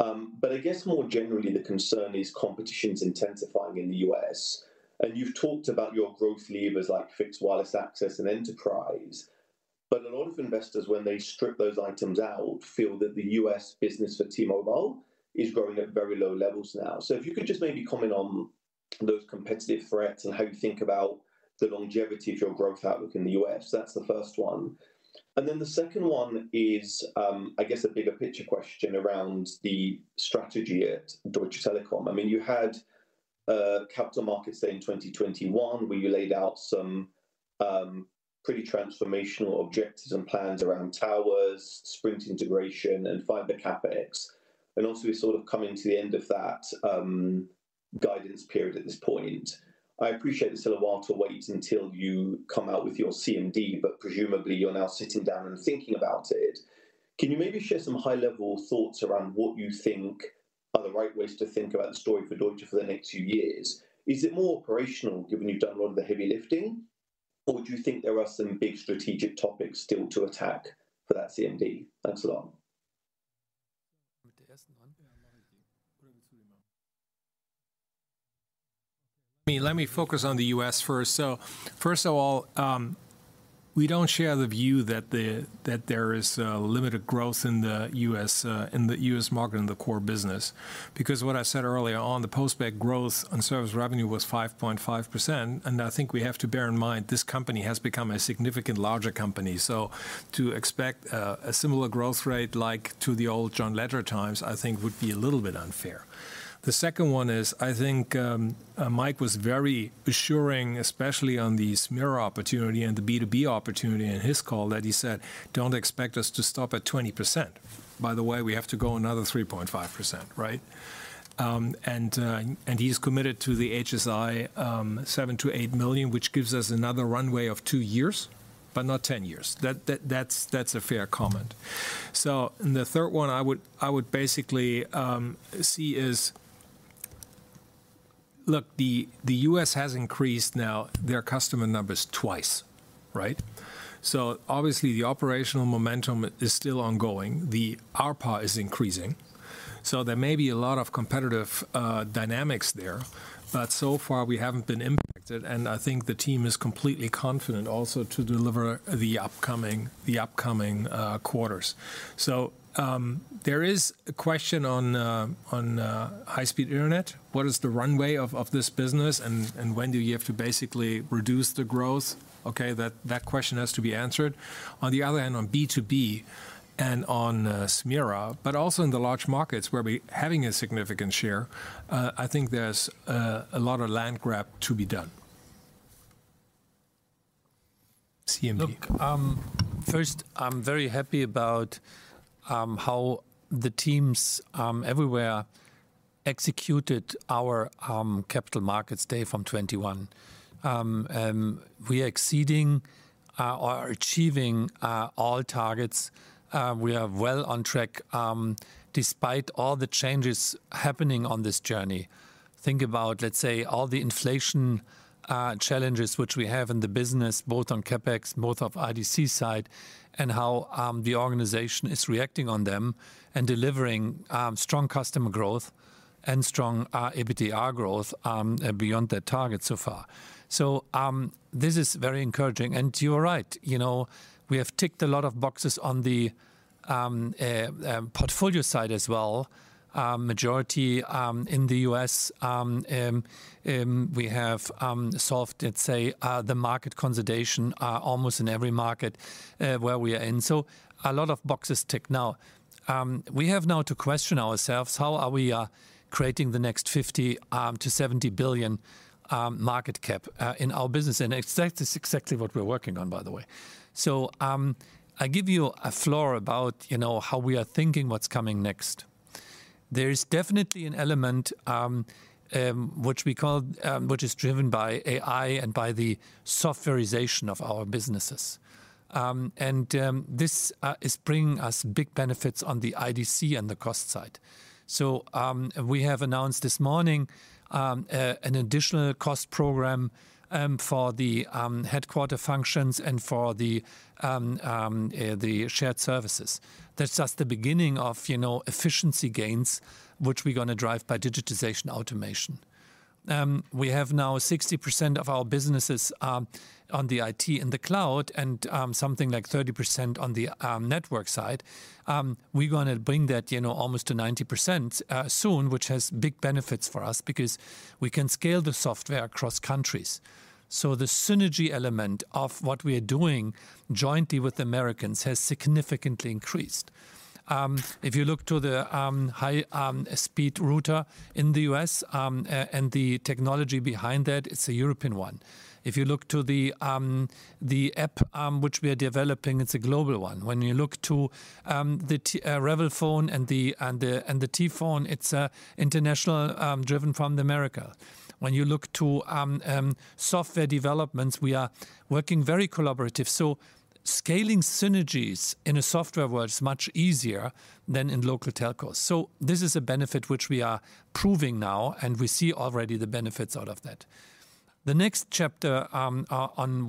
I guess more generally, the concern is competition's intensifying in the U.S., and you've talked about your growth levers like fixed wireless access and enterprise. A lot of investors, when they strip those items out, feel that the U.S. business for T-Mobile is growing at very low levels now. If you could just maybe comment on those competitive threats and how you think about the longevity of your growth outlook in the U.S.. That's the first one. The second one is, I guess, a bigger picture question around the strategy at Deutsche Telekom. I mean, you had a capital market, say, in 2021, where you laid out some pretty transformational objectives and plans around towers, Sprint integration, and fiber CapEx. Also, we're sort of coming to the end of that guidance period at this point. I appreciate it's still a while to wait until you come out with your CMD, but presumably you're now sitting down and thinking about it. Can you maybe share some high-level thoughts around what you think are the right ways to think about the story for Deutsche for the next two years? Is it more operational, given you've done a lot of the heavy lifting? Or do you think there are some big strategic topics still to attack for that CMD? Thanks a lot. Let me, let me focus on the US first. First of all, we don't share the view that there is limited growth in the U.S. market, in the core business. What I said earlier on, the post-back growth on service revenue was 5.5%, and I think we have to bear in mind this company has become a significant larger company. To expect a similar growth rate like to the old John Legere times, I think would be a little bit unfair. The second one is, I think, Mike was very assuring, especially on the Smira opportunity and the B2B opportunity in his call, that he said, "Don't expect us to stop at 20%. By the way, we have to go another 3.5%," right? He's committed to the HSI, $7 million-$8 million, which gives us another runway of 2 years, but not 10 years. That's a fair comment. The third one I would, I would basically see is, The U.S. has increased now their customer numbers 2x, right? Obviously the operational momentum is still ongoing. The ARPA is increasing, so there may be a lot of competitive dynamics there, but so far we haven't been impacted, and I think the team is completely confident also to deliver the upcoming quarters. There is a question on high-speed internet. What is the runway of this business, and when do you have to basically reduce the growth? That question has to be answered. On the other hand, on B2B and on Smira, but also in the large markets where we're having a significant share, I think there's a lot of land grab to be done. CMD. Look, first, I'm very happy about how the teams everywhere executed our Capital Markets Day from 2021. We are exceeding or achieving all targets. We are well on track despite all the changes happening on this journey. Think about, let's say, all the inflation challenges which we have in the business, both on CapEx, both of IDC side, and how the organization is reacting on them and delivering strong customer growth and strong EBITDA growth beyond their target so far. This is very encouraging, and you are right. You know, we have ticked a lot of boxes on the portfolio side as well. Um, majority, um, in the U.S., um, um, um, we have, um, solved, let's say, uh, the market consolidation, uh, almost in every market, uh, where we are in. So a lot of boxes ticked now. Um, we have now to question ourselves, how are we, uh, creating the next fifty, um, to seventy billion, um, market cap, uh, in our business? And that's exactly what we're working on, by the way. So, um, I give you a floor about, you know, how we are thinking what's coming next. There is definitely an element, um, um, which we call, um, which is driven by AI and by the softwarization of our businesses. Um, and, um, this, uh, is bringing us big benefits on the IDC and the cost side. We have announced this morning an additional cost program for the headquarter functions and for the shared services. That's just the beginning of, you know, efficiency gains, which we're gonna drive by digitization automation. We have now 60% of our businesses on the IT and the cloud and something like 30% on the network side. We're gonna bring that, you know, almost to 90% soon, which has big benefits for us because we can scale the software across countries. The synergy element of what we are doing jointly with Americans has significantly increased. If you look to the high speed router in the US, and the technology behind that, it's a European one. If you look to the, the app, which we are developing, it's a global one. When you look to the Revvl phone and the and the and the T Phone, it's international, driven from America. When you look to software developments, we are working very collaborative. Scaling synergies in a software world is much easier than in local telcos. This is a benefit which we are proving now, and we see already the benefits out of that. The next chapter on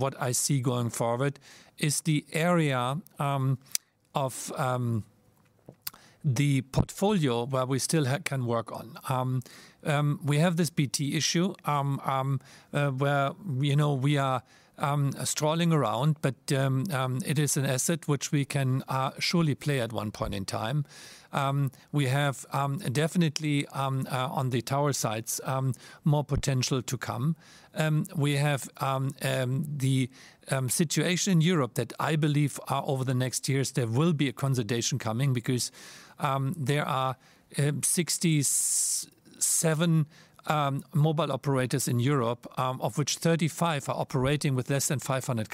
what I see going forward is the area of the portfolio where we still can work on. We have this BT Group issue where, you know, we are strolling around, but it is an asset which we can surely play at one point in time. We have, definitely, on the tower sites, more potential to come. We have, the, situation in Europe that I believe, over the next years there will be a consolidation coming because, there are, 67 mobile operators in Europe, of which 35 are operating with less than 500,000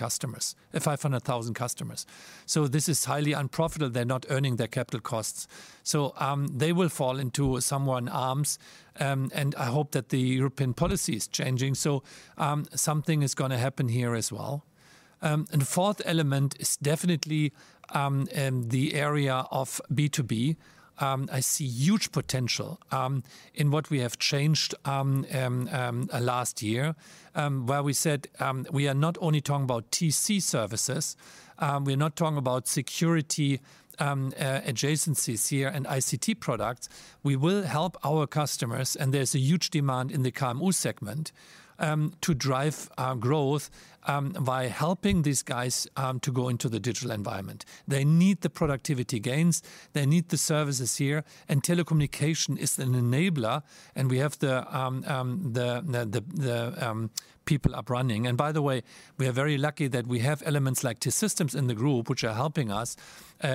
customers. This is highly unprofitable. They're not earning their capital costs. They will fall into someone arms, and I hope that the European policy is changing. Something is gonna happen here as well. Fourth element is definitely, the area of B2B. I see huge potential in what we have changed last year, where we said we are not only talking about TC services. We're not talking about security, adjacencies here and ICT products. We will help our customers. There's a huge demand in the KMU segment to drive our growth by helping these guys to go into the digital environment. They need the productivity gains, they need the services here. Telecommunication is an enabler, and we have the the the the people up running. By the way, we are very lucky that we have elements like T-Systems in the group, which are helping us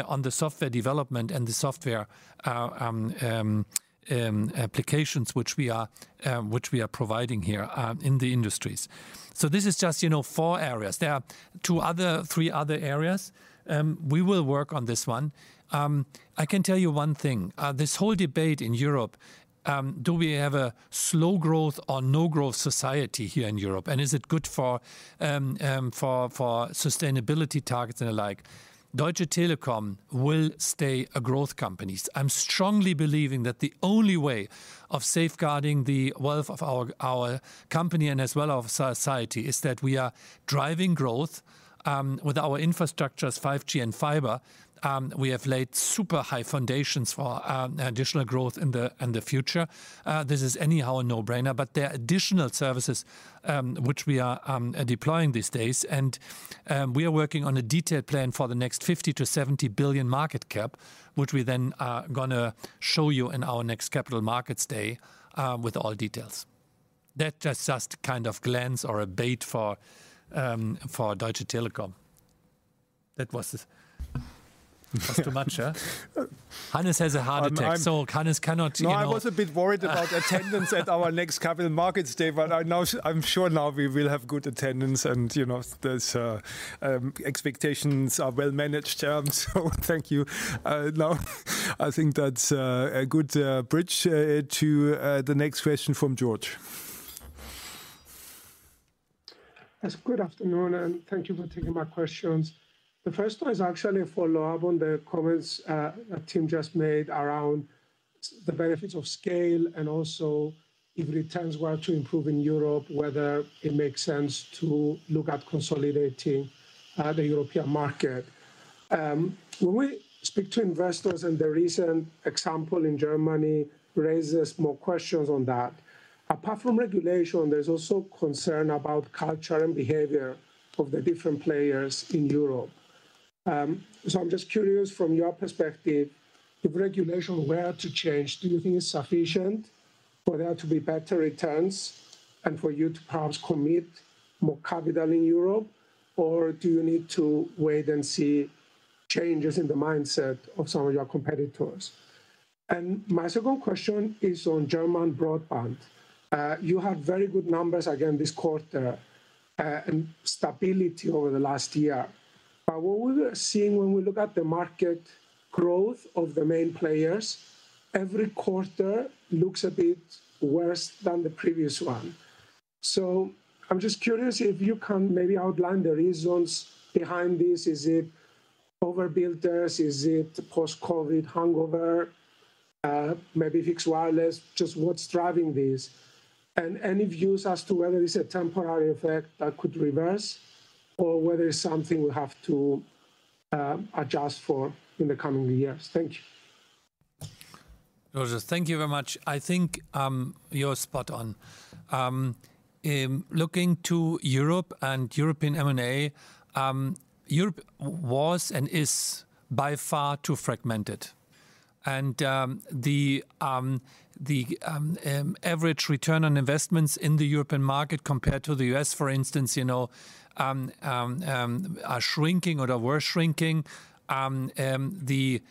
on the software development and the software applications, which we are which we are providing here in the industries. This is just, you know, four areas. There are two other, three other areas, we will work on this one. I can tell you one thing, this whole debate in Europe, do we have a slow growth or no growth society here in Europe? Is it good for, for sustainability targets and the like? Deutsche Telekom will stay a growth companies. I'm strongly believing that the only way of safeguarding the wealth of our, our company and as well, our society, is that we are driving growth with our infrastructures, 5G and fiber. We have laid super high foundations for additional growth in the, in the future. This is anyhow a no-brainer. There are additional services, which we are deploying these days, and we are working on a detailed plan for the next 50 billion-70 billion market cap, which we then are gonna show you in our next Capital Markets Day, with all details. That's just, just kind of glance or a bait for Deutsche Telekom. That was. That's too much, huh? Hannes has a heart attack, so Hannes cannot, you know. No, I was a bit worried about attendance at our next Capital Markets Day, but I now I'm sure now we will have good attendance and, you know, those expectations are well managed, Tim. Thank you. I think that's a good bridge to the next question from George. Yes, good afternoon, thank you for taking my questions. The first one is actually a follow-up on the comments that Tim just made around the benefits of scale, and also if returns were to improve in Europe, whether it makes sense to look at consolidating the European market. When we speak to investors, and the recent example in Germany raises more questions on that, apart from regulation, there's also concern about culture and behavior of the different players in Europe. I'm just curious, from your perspective, if regulation were to change, do you think it's sufficient for there to be better returns and for you to perhaps commit more capital in Europe? Do you need to wait and see changes in the mindset of some of your competitors? My second question is on German broadband. You had very good numbers again this quarter, and stability over the last year. What we are seeing when we look at the market growth of the main players, every quarter looks a bit worse than the previous one. I'm just curious if you can maybe outline the reasons behind this. Is it overbuilders? Is it post-COVID hangover? Maybe fixed wireless. Just what's driving this? And any views as to whether it's a temporary effect that could reverse or whether it's something we have to adjust for in the coming years? Thank you. George, thank you very much. I think, you're spot on. Looking to Europe and European M&A, Europe was and is by far too fragmented. The average return on investments in the European market compared to the U.S., for instance, you know, are shrinking or were shrinking. The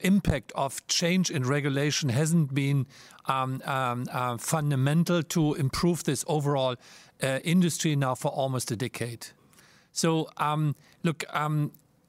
impact of change in regulation hasn't been fundamental to improve this overall industry now for almost a decade. Look,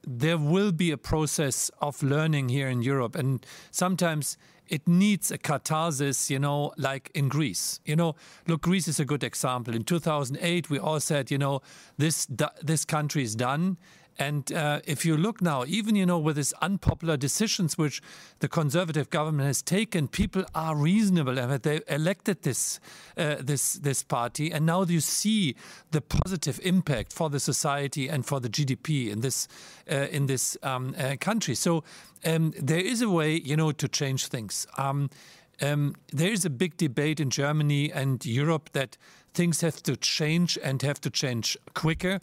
there will be a process of learning here in Europe, and sometimes it needs a catharsis, you know, like in Greece. You know, look, Greece is a good example. In 2008, we all said, you know, "This this country is done." If you look now, even, you know, with its unpopular decisions which the conservative government has taken, people are reasonable, and that they elected this this party. Now you see the positive impact for the society and for the GDP in this in this country. There is a way, you know, to change things. There is a big debate in Germany and Europe that things have to change and have to change quicker.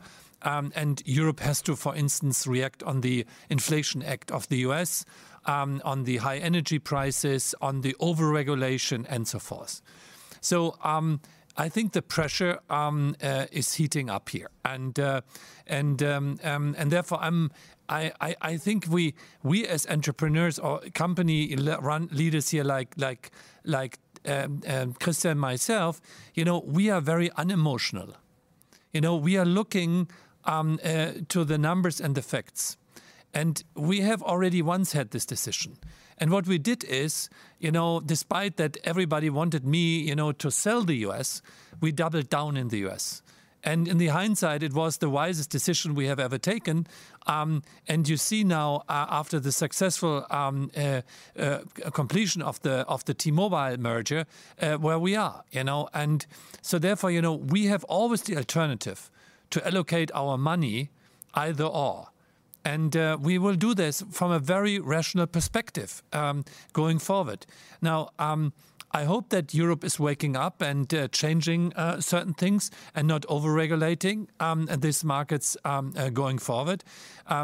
Europe has to, for instance, react on the Inflation Act of the U.S., on the high energy prices, on the overregulation, and so forth. I think the pressure is heating up here. Therefore, I think we, we as entrepreneurs or company run leaders here, like, like, like Christian and myself, you know, we are very unemotional. You know, we are looking to the numbers and the facts, and we have already once had this decision. What we did is, you know, despite that everybody wanted me, you know, to sell the U.S., we doubled down in the U.S.. In the hindsight, it was the wisest decision we have ever taken. You see now, after the successful completion of the T-Mobile merger, where we are, you know. Therefore, you know, we have always the alternative to allocate our money either/or, and we will do this from a very rational perspective going forward. Now, I hope that Europe is waking up and changing certain things and not overregulating these markets going forward.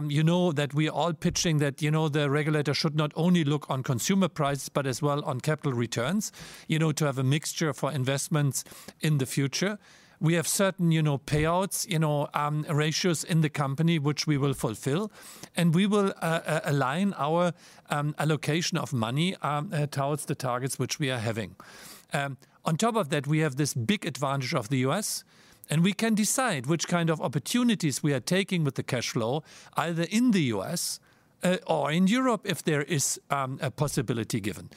You know that we are all pitching that, you know, the regulator should not only look on consumer prices, but as well on capital returns, you know, to have a mixture for investments in the future. We have certain, you know, payouts, you know, ratios in the company, which we will fulfill, and we will align our allocation of money towards the targets which we are having. On top of that, we have this big advantage of the U.S., and we can decide which kind of opportunities we are taking with the cash flow, either in the U.S., or in Europe, if there is a possibility given.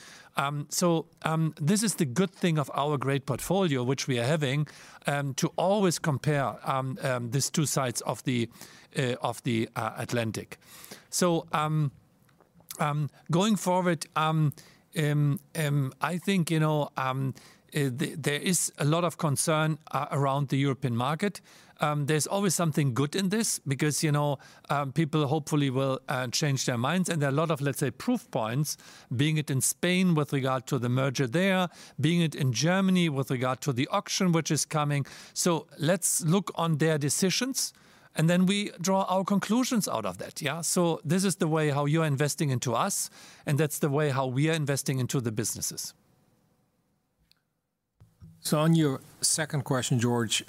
This is the good thing of our great portfolio, which we are having, to always compare, these two sides of the, of the, Atlantic. Going forward, I think, you know, there is a lot of concern around the European market. There's always something good in this because, you know, people hopefully will, change their minds. There are a lot of, let's say, proof points, being it in Spain with regard to the merger there, being it in Germany, with regard to the auction, which is coming. Let's look on their decisions, and then we draw our conclusions out of that, yeah? This is the way how you're investing into us, and that's the way how we are investing into the businesses. On your second question, George,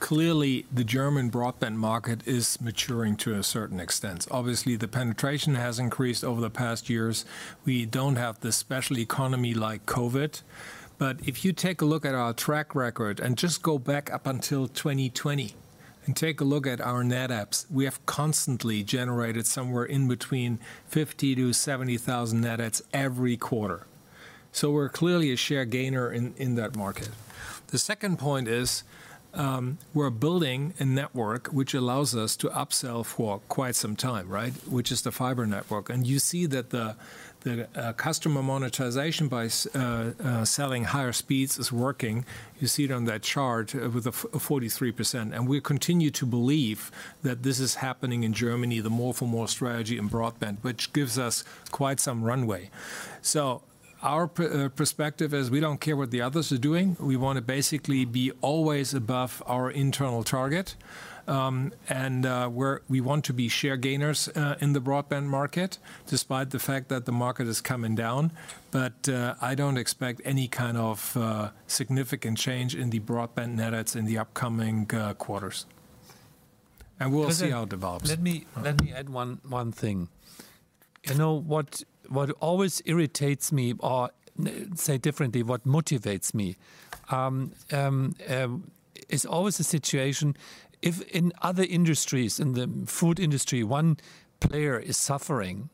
clearly the German broadband market is maturing to a certain extent. Obviously, the penetration has increased over the past years. We don't have the special economy like COVID. If you take a look at our track record and just go back up until 2020 and take a look at our net adds, we have constantly generated somewhere in between 50,000-70,000 net adds every quarter. We're clearly a share gainer in, in that market. The second point is, we're building a network which allows us to upsell for quite some time, right? Which is the fiber network. You see that the customer monetization by selling higher speeds is working. You see it on that chart, with a 43%, we continue to believe that this is happening in Germany, the more for more strategy in broadband, which gives us quite some runway. Our perspective is we don't care what the others are doing. We want to basically be always above our internal target, and we want to be share gainers in the broadband market, despite the fact that the market is coming down. I don't expect any kind of significant change in the broadband net adds in the upcoming quarters. We'll see how it develops. Let me, let me add one, one thing. You know, what, what always irritates me, or say differently, what motivates me, is always the situation if in other industries, in the food industry, one player is suffering,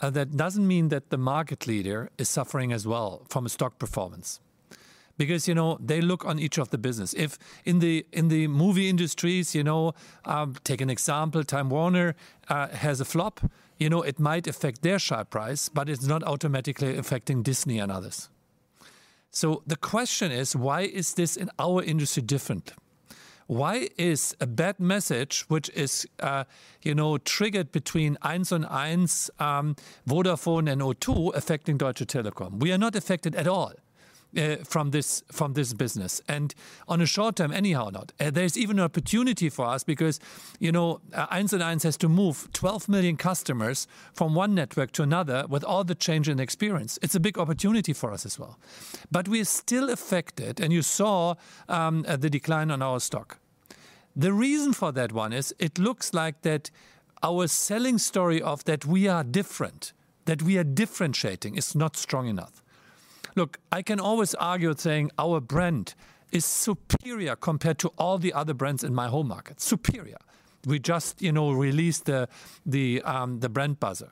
that doesn't mean that the market leader is suffering as well from a stock performance. Because, you know, they look on each of the business. If in the, in the movie industries, you know, take an example, Time Warner, has a flop, you know, it might affect their share price, but it's not automatically affecting Disney and others. So the question is: Why is this in our industry different? Why is a bad message, which is, you know, triggered between 1&1, Vodafone, and O2, affecting Deutsche Telekom? We are not affected at all from this, from this business, and on a short term, anyhow not. There's even an opportunity for us because, you know, 1&1 has to move 12 million customers from one network to another with all the change in experience. It's a big opportunity for us as well. We're still affected, and you saw the decline on our stock. The reason for that one is it looks like that our selling story of that we are different, that we are differentiating, is not strong enough. Look, I can always argue saying our brand is superior compared to all the other brands in my home market. Superior! We just, you know, released the, the brand buzzer.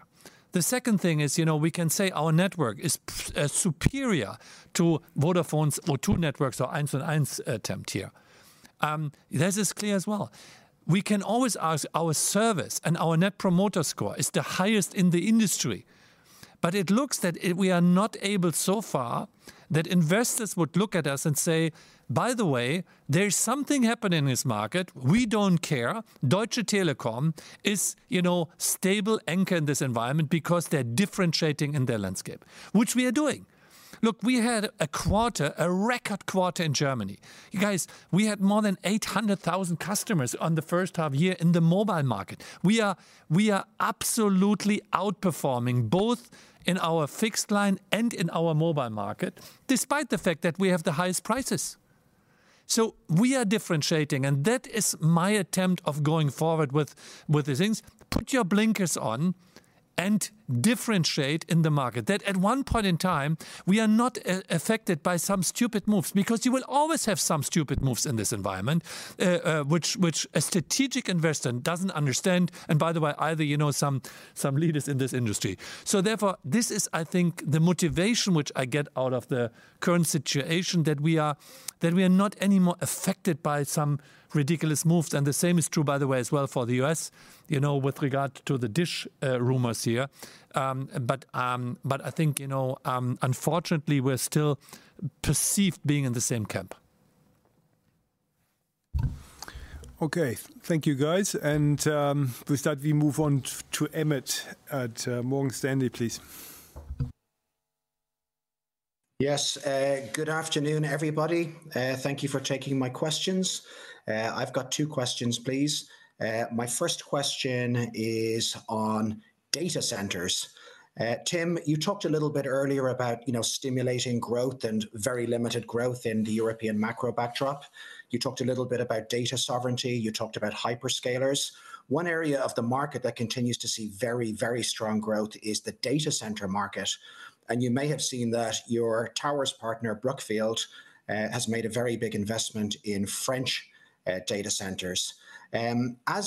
The second thing is, you know, we can say our network is superior to Vodafone's or O2 networks or 1&1 attempt here. This is clear as well. We can always ask our service, and our Net Promoter Score is the highest in the industry. It looks that we are not able so far, that investors would look at us and say: "By the way, there is something happening in this market. We don't care. Deutsche Telekom is, you know, stable anchor in this environment because they're differentiating in their landscape," which we are doing. Look, we had a quarter, a record quarter in Germany. You guys, we had more than 800,000 customers on the first half year in the mobile market. We are, we are absolutely outperforming both in our fixed line and in our mobile market, despite the fact that we have the highest prices. We are differentiating, and that is my attempt of going forward with the things. Put your blinkers on and differentiate in the market. That at one point in time, we are not affected by some stupid moves, because you will always have some stupid moves in this environment, which a strategic investor doesn't understand, and by the way, either, you know, some leaders in this industry. Therefore, this is, I think, the motivation which I get out of the current situation, that we are, that we are not anymore affected by some ridiculous moves. The same is true, by the way, as well for the U.S., you know, with regard to the DISH rumors here. I think, you know, unfortunately, we're still perceived being in the same camp. Okay. Thank you, guys. And, with that, we move on to Emmett at Morgan Stanley, please. Yes, good afternoon, everybody. Thank you for taking my questions. I've got two questions, please. My first question is on data centers. Tim, you talked a little bit earlier about, you know, stimulating growth and very limited growth in the European macro backdrop. You talked a little bit about data sovereignty. You talked about hyperscalers. One area of the market that continues to see very, very strong growth is the data center market, and you may have seen that your towers partner, Brookfield, has made a very big investment in French data centers. As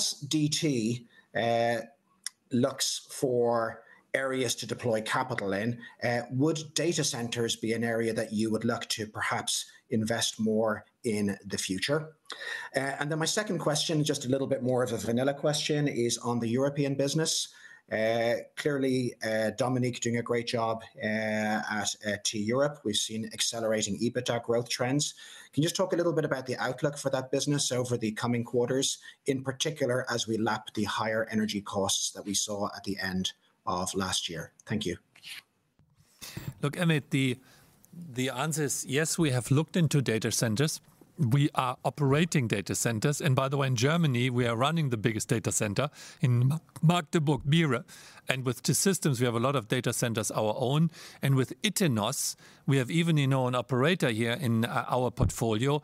DT looks for areas to deploy capital in, would data centers be an area that you would look to perhaps invest more in the future? My second question, just a little bit more of a vanilla question, is on the European business. Clearly, Dominique doing a great job at T-Europe. We've seen accelerating EBITDA growth trends. Can you just talk a little bit about the outlook for that business over the coming quarters, in particular, as we lap the higher energy costs that we saw at the end of last year? Thank you. Look, Emmett, the answer is yes, we have looked into data centers. We are operating data centers, by the way, in Germany, we are running the biggest data center in Markthebuchmühle. With T-Systems, we have a lot of data centers our own, with Itenos, we have even, you know, an operator here in our portfolio,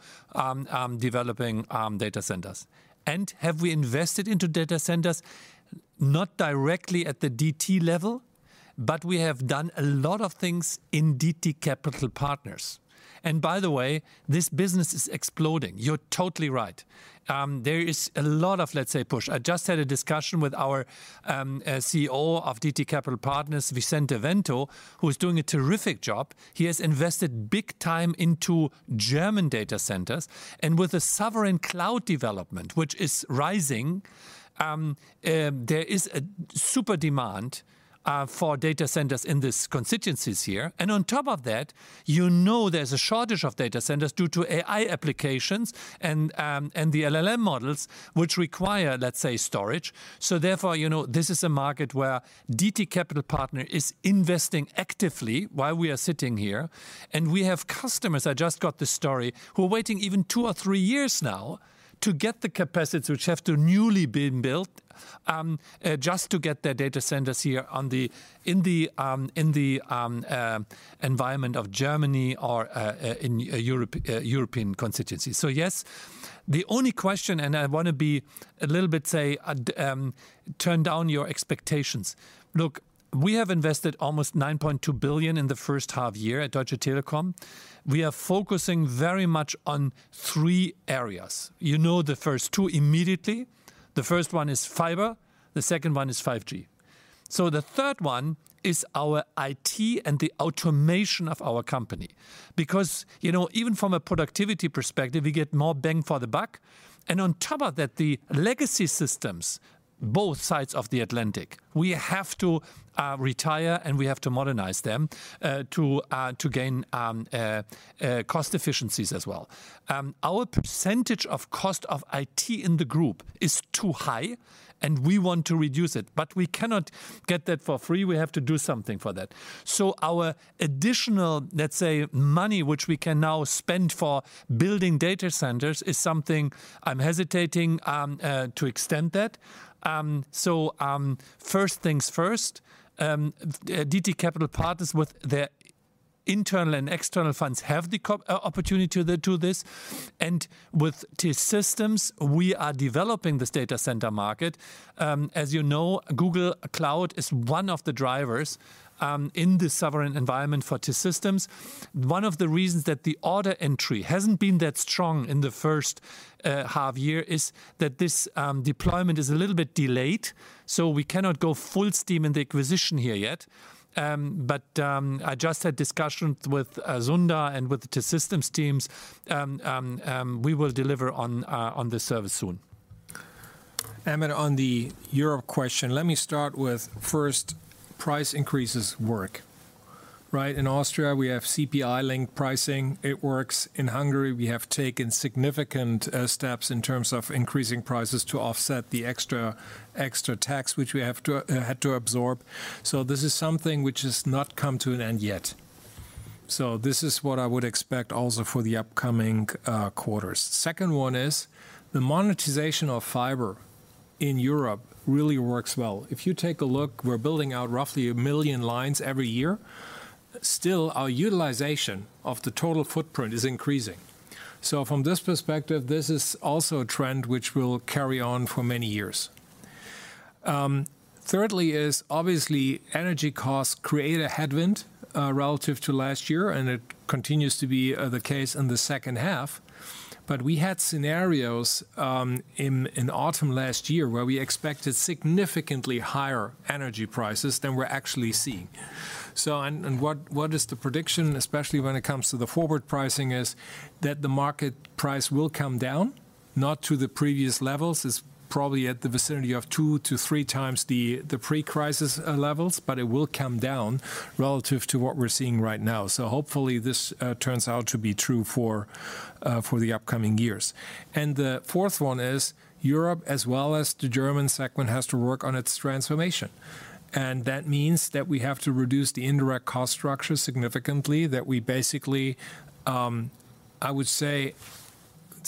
developing data centers. Have we invested into data centers? Not directly at the DT level, but we have done a lot of things in DT Capital Partners. By the way, this business is exploding. You're totally right. There is a lot of, let's say, push. I just had a discussion with our CEO of DT Capital Partners, Vicente Vento, who is doing a terrific job. He has invested big time into German data centers, with the sovereign cloud development, which is rising, there is a super demand for data centers in this constituencies here. On top of that, you know there's a shortage of data centers due to AI applications and the LLM models, which require, let's say, storage. Therefore, you know, this is a market where DT Capital Partners is investing actively while we are sitting here. We have customers, I just got the story, who are waiting even two or three years now to get the capacities which have to newly been built, just to get their data centers here on the, in the environment of Germany or in European constituencies. Yes, the only question, and I want to be a little bit, say, turn down your expectations. Look, we have invested almost 9.2 billion in the first half year at Deutsche Telekom. We are focusing very much on three areas. You know the first two immediately. The first one is fiber, the second one is 5G. The third one is our IT and the automation of our company. You know, even from a productivity perspective, we get more bang for the buck, and on top of that, the legacy systems, both sides of the Atlantic, we have to retire, and we have to modernize them to gain cost efficiencies as well. Our percentage of cost of IT in the group is too high, and we want to reduce it, but we cannot get that for free. We have to do something for that. Our additional, let's say, money, which we can now spend for building data centers, is something I'm hesitating to extend that. First things first, DT Capital Partners with their internal and external funds have the opportunity to, to this. With T-Systems, we are developing this data center market. As you know, Google Cloud is one of the drivers in the sovereign environment for T-Systems. One of the reasons that the order entry hasn't been that strong in the first half year is that this deployment is a little bit delayed, so we cannot go full steam in the acquisition here yet. I just had discussions with Sundar and with the T-Systems teams, we will deliver on this service soon. Emmett, on the Europe question, let me start with first, price increases work, right? In Austria, we have CPI-linked pricing. It works. In Hungary, we have taken significant steps in terms of increasing prices to offset the extra, extra tax, which we have to had to absorb. This is something which has not come to an end yet. This is what I would expect also for the upcoming quarters. Second one is, the monetization of fiber in Europe really works well. If you take a look, we're building out roughly 1 million lines every year. Still, our utilization of the total footprint is increasing. From this perspective, this is also a trend which will carry on for many years. Thirdly is, obviously, energy costs create a headwind relative to last year, and it continues to be the case in the second half. We had scenarios in autumn last year, where we expected significantly higher energy prices than we're actually seeing. And what, what is the prediction, especially when it comes to the forward pricing, is that the market price will come down, not to the previous levels. It's probably at the vicinity of 2x-3x the pre-crisis levels, but it will come down relative to what we're seeing right now. Hopefully, this turns out to be true for the upcoming years. The fourth one is, Europe, as well as the German segment, has to work on its transformation, and that means that we have to reduce the indirect cost structure significantly, that we basically, I would say,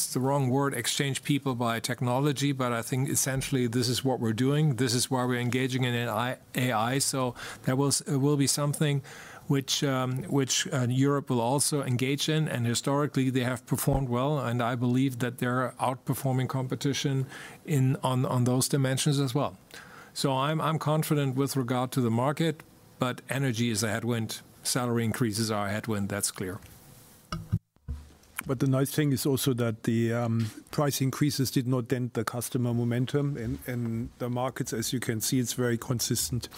it's the wrong word, exchange people by technology, but I think essentially this is what we're doing. This is why we're engaging in AI, AI. That will, will be something which, which Europe will also engage in, and historically they have performed well, and I believe that they're outperforming competition in, on, on those dimensions as well. I'm, I'm confident with regard to the market, but energy is a headwind. Salary increases are a headwind. That's clear. The nice thing is also that the price increases did not dent the customer momentum in the markets. As you can see, it's very consistent.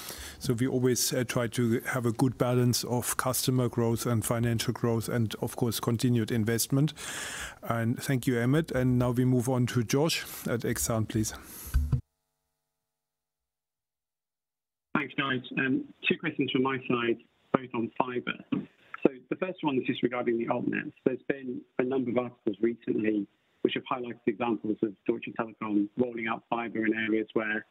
We always try to have a good balance of customer growth and financial growth and, of course, continued investment. Thank you, Emmett. Now we move on to Josh at Exane, please. Thanks, guys. two questions from my side, both on fiber. The first one is just regarding the Altnets. There's been a number of articles recently which have highlighted examples of Deutsche Telekom rolling out fiber in areas where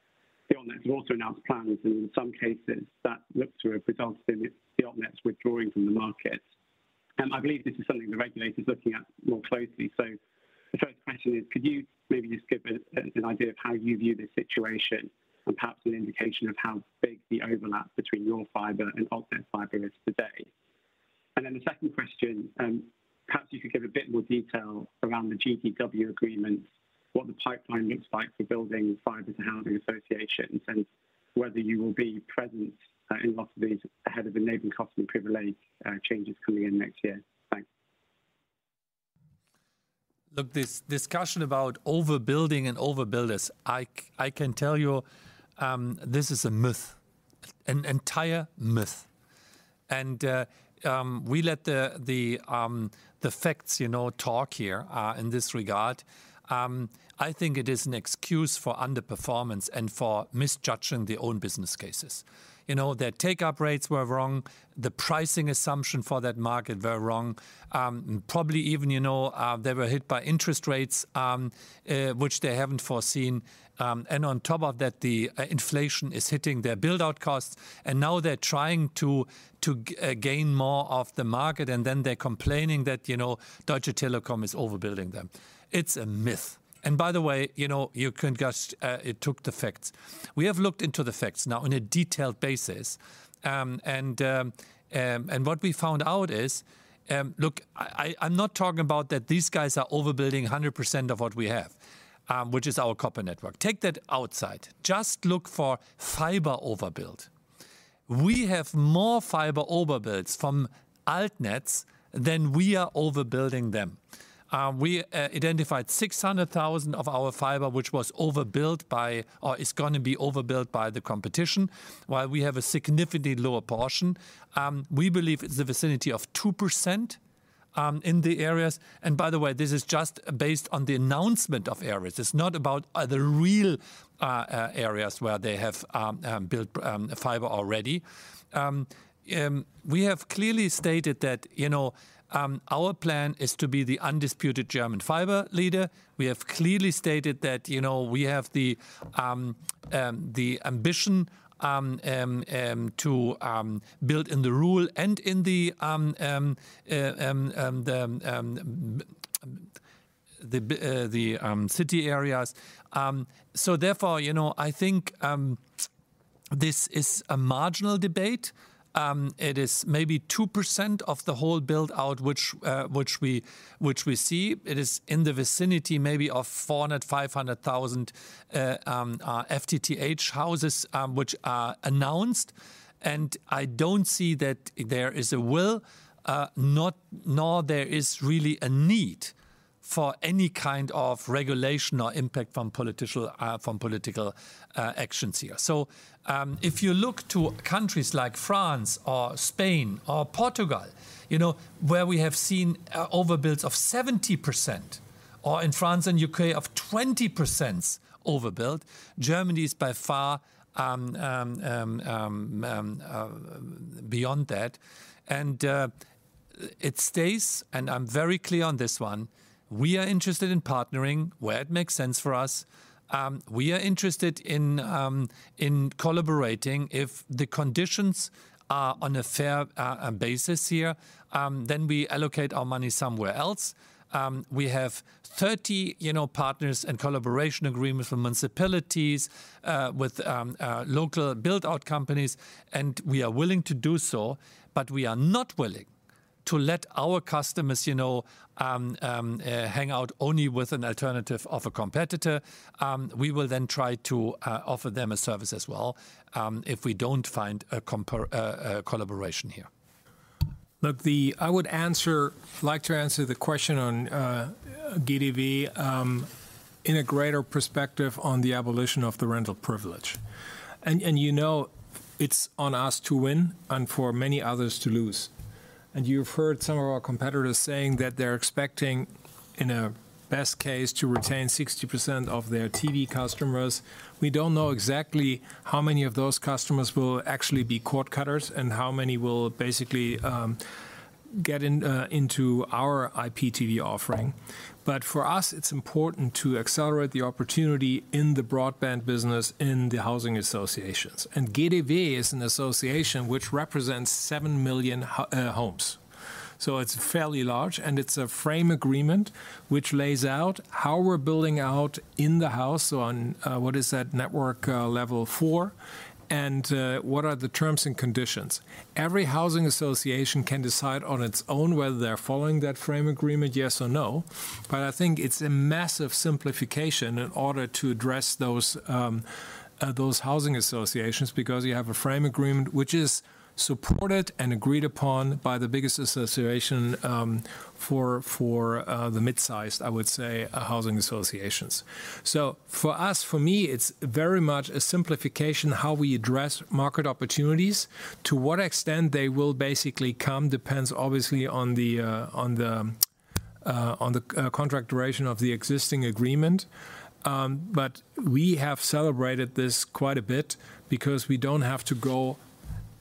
the Altnets have also announced plans, and in some cases, that looks to have resulted in the Altnets withdrawing from the market. I believe this is something the regulator is looking at more closely. The first question is, could you maybe just give an idea of how you view this situation and perhaps an indication of how big the overlap between your fiber and Altnet fiber is today? The second question, perhaps you could give a bit more detail around the GdW agreement, what the pipeline looks like for building fiber to housing associations, and whether you will be present in lots of these ahead of the Nebenkostenprivileg changes coming in next year. Thanks. Look, this discussion about overbuilding and overbuilders, I can tell you, this is a myth, an entire myth. We let the facts, you know, talk here in this regard. I think it is an excuse for underperformance and for misjudging their own business cases. You know, their take-up rates were wrong, the pricing assumption for that market were wrong, probably even, you know, they were hit by interest rates, which they haven't foreseen. On top of that, the inflation is hitting their build-out costs, and now they're trying to gain more of the market, and then they're complaining that, you know, Deutsche Telekom is overbuilding them. It's a myth. By the way, you know, you can just take the facts. We have looked into the facts now on a detailed basis, what we found out is, Look, I, I'm not talking about that these guys are overbuilding 100% of what we have, which is our copper network. Take that outside. Just look for fiber overbuild. We have more fiber overbuilds from Altnets than we are overbuilding them. We identified 600,000 of our fiber, which was overbuilt by or is gonna be overbuilt by the competition, while we have a significantly lower portion. We believe it's the vicinity of 2% in the areas. By the way, this is just based on the announcement of areas. It's not about the real areas where they have built fiber already. We have clearly stated that, you know, our plan is to be the undisputed German fiber leader. We have clearly stated that, you know, we have the ambition to build in the rural and in the city areas. Therefore, you know, I think, this is a marginal debate. It is maybe 2% of the whole build-out, which we, which we see. It is in the vicinity, maybe of 400,000, 500,000 FTTH houses, which are announced. I don't see that there is a will, not, nor there is really a need for any kind of regulation or impact from political, from political actions here. If you look to countries like France or Spain or Portugal, you know, where we have seen overbuilds of 70%, or in France and U.K. of 20% overbuilt, Germany is by far beyond that. It stays, and I'm very clear on this one: we are interested in partnering where it makes sense for us. We are interested in collaborating. If the conditions are on a fair basis here, then we allocate our money somewhere else. We have 30, you know, partners and collaboration agreements with municipalities, with local build-out companies, and we are willing to do so. We are not willing to let our customers, you know, hang out only with an alternative of a competitor. We will then try to offer them a service as well, if we don't find a collaboration here. Look, the-- I would answer, like to answer the question on GdW, in a greater perspective on the abolition of the rental privilege. You know, it's on us to win and for many others to lose. You've heard some of our competitors saying that they're expecting, in a best case, to retain 60% of their TV customers. We don't know exactly how many of those customers will actually be cord cutters and how many will basically get in into our IPTV offering. For us, it's important to accelerate the opportunity in the broadband business, in the housing associations. GdW is an association which represents 7 million ho- homes. It's fairly large, and it's a frame agreement which lays out how we're building out in the house on, what is that? Network level four, what are the terms and conditions. Every housing association can decide on its own whether they're following that frame agreement, yes or no. I think it's a massive simplification in order to address those those housing associations, because you have a frame agreement which is supported and agreed upon by the biggest association for for the mid-sized, I would say, housing associations. For us, for me, it's very much a simplification, how we address market opportunities. To what extent they will basically come depends obviously on the on the on the contract duration of the existing agreement. We have celebrated this quite a bit because we don't have to go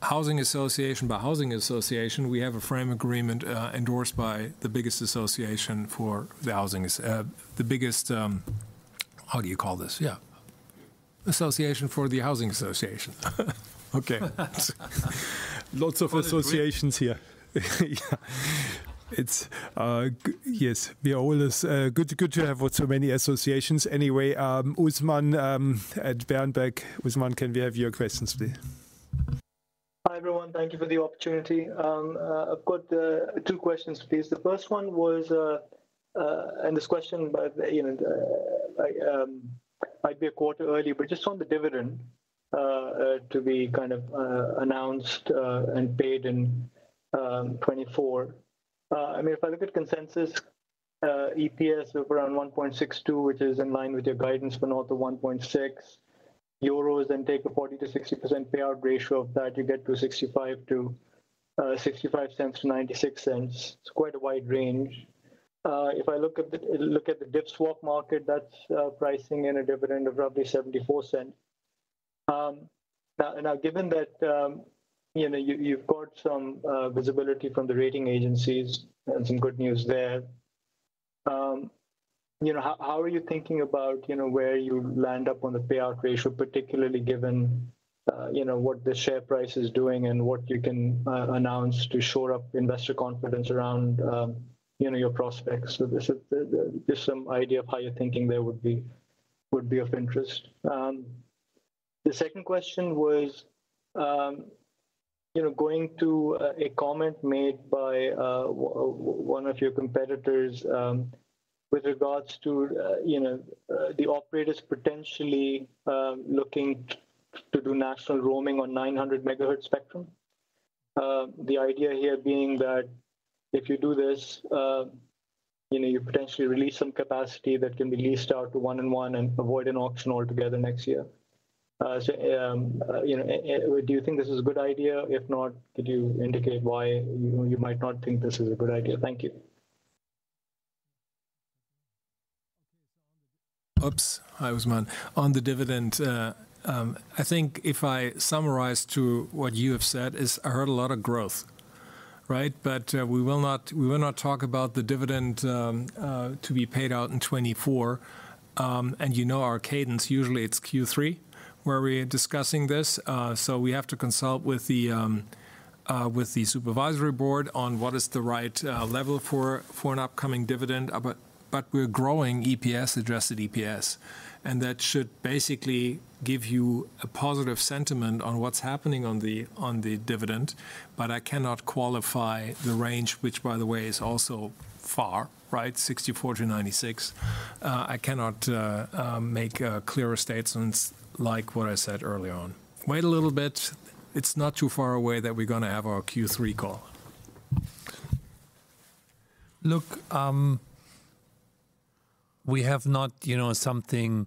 housing association by housing association. We have a frame agreement endorsed by the biggest association for the housings. The biggest, how do you call this? Yeah, association for the housing association. Okay. Lots of associations here. Yeah. It's. Yes, we are always good, good to have so many associations. Anyway, Usman, at Berenberg. Usman, can we have your questions, please? Hi, everyone. Thank you for the opportunity. I've got two questions, please. The first one was, this question about, you know, might be a quarter early, but just on the dividend to be kind of announced and paid in 2024. I mean, if I look at consensus EPS of around 1.62, which is in line with your guidance for north of 1.6, then take a 40%-60% payout ratio of that, you get to 0.65-0.96. It's quite a wide range. If I look at the div swap market, that's pricing in a dividend of roughly 0.74. Now, now, given that, you know, you, you've got some visibility from the rating agencies and some good news there, you know, how, how are you thinking about, you know, where you land up on the payout ratio, particularly given, you know, what the share price is doing and what you can announce to shore up investor confidence around, you know, your prospects? So just a, just some idea of how you're thinking there would be, would be of interest. The second question was, you know, going to a comment made by one of your competitors, with regards to, you know, the operators potentially, looking to do national roaming on 900 megahertz spectrum. The idea here being that if you do this, you know, you potentially release some capacity that can be leased out to 1&1 and avoid an auction altogether next year. You know, do you think this is a good idea? If not, could you indicate why you, you might not think this is a good idea? Thank you. Oops! Hi, Usman. On the dividend, I think if I summarize to what you have said, is I heard a lot of growth.... right? We will not, we will not talk about the dividend to be paid out in 2024. You know our cadence, usually it's Q3 where we're discussing this. We have to consult with the supervisory board on what is the right level for, for an upcoming dividend. We're growing EPS, Adjusted EPS, and that should basically give you a positive sentiment on what's happening on the, on the dividend. I cannot qualify the range, which by the way, is also far, right? 64-96. I cannot make a clearer statements like what I said early on. Wait a little bit. It's not too far away that we're gonna have our Q3 call. Look, we have not, you know, something,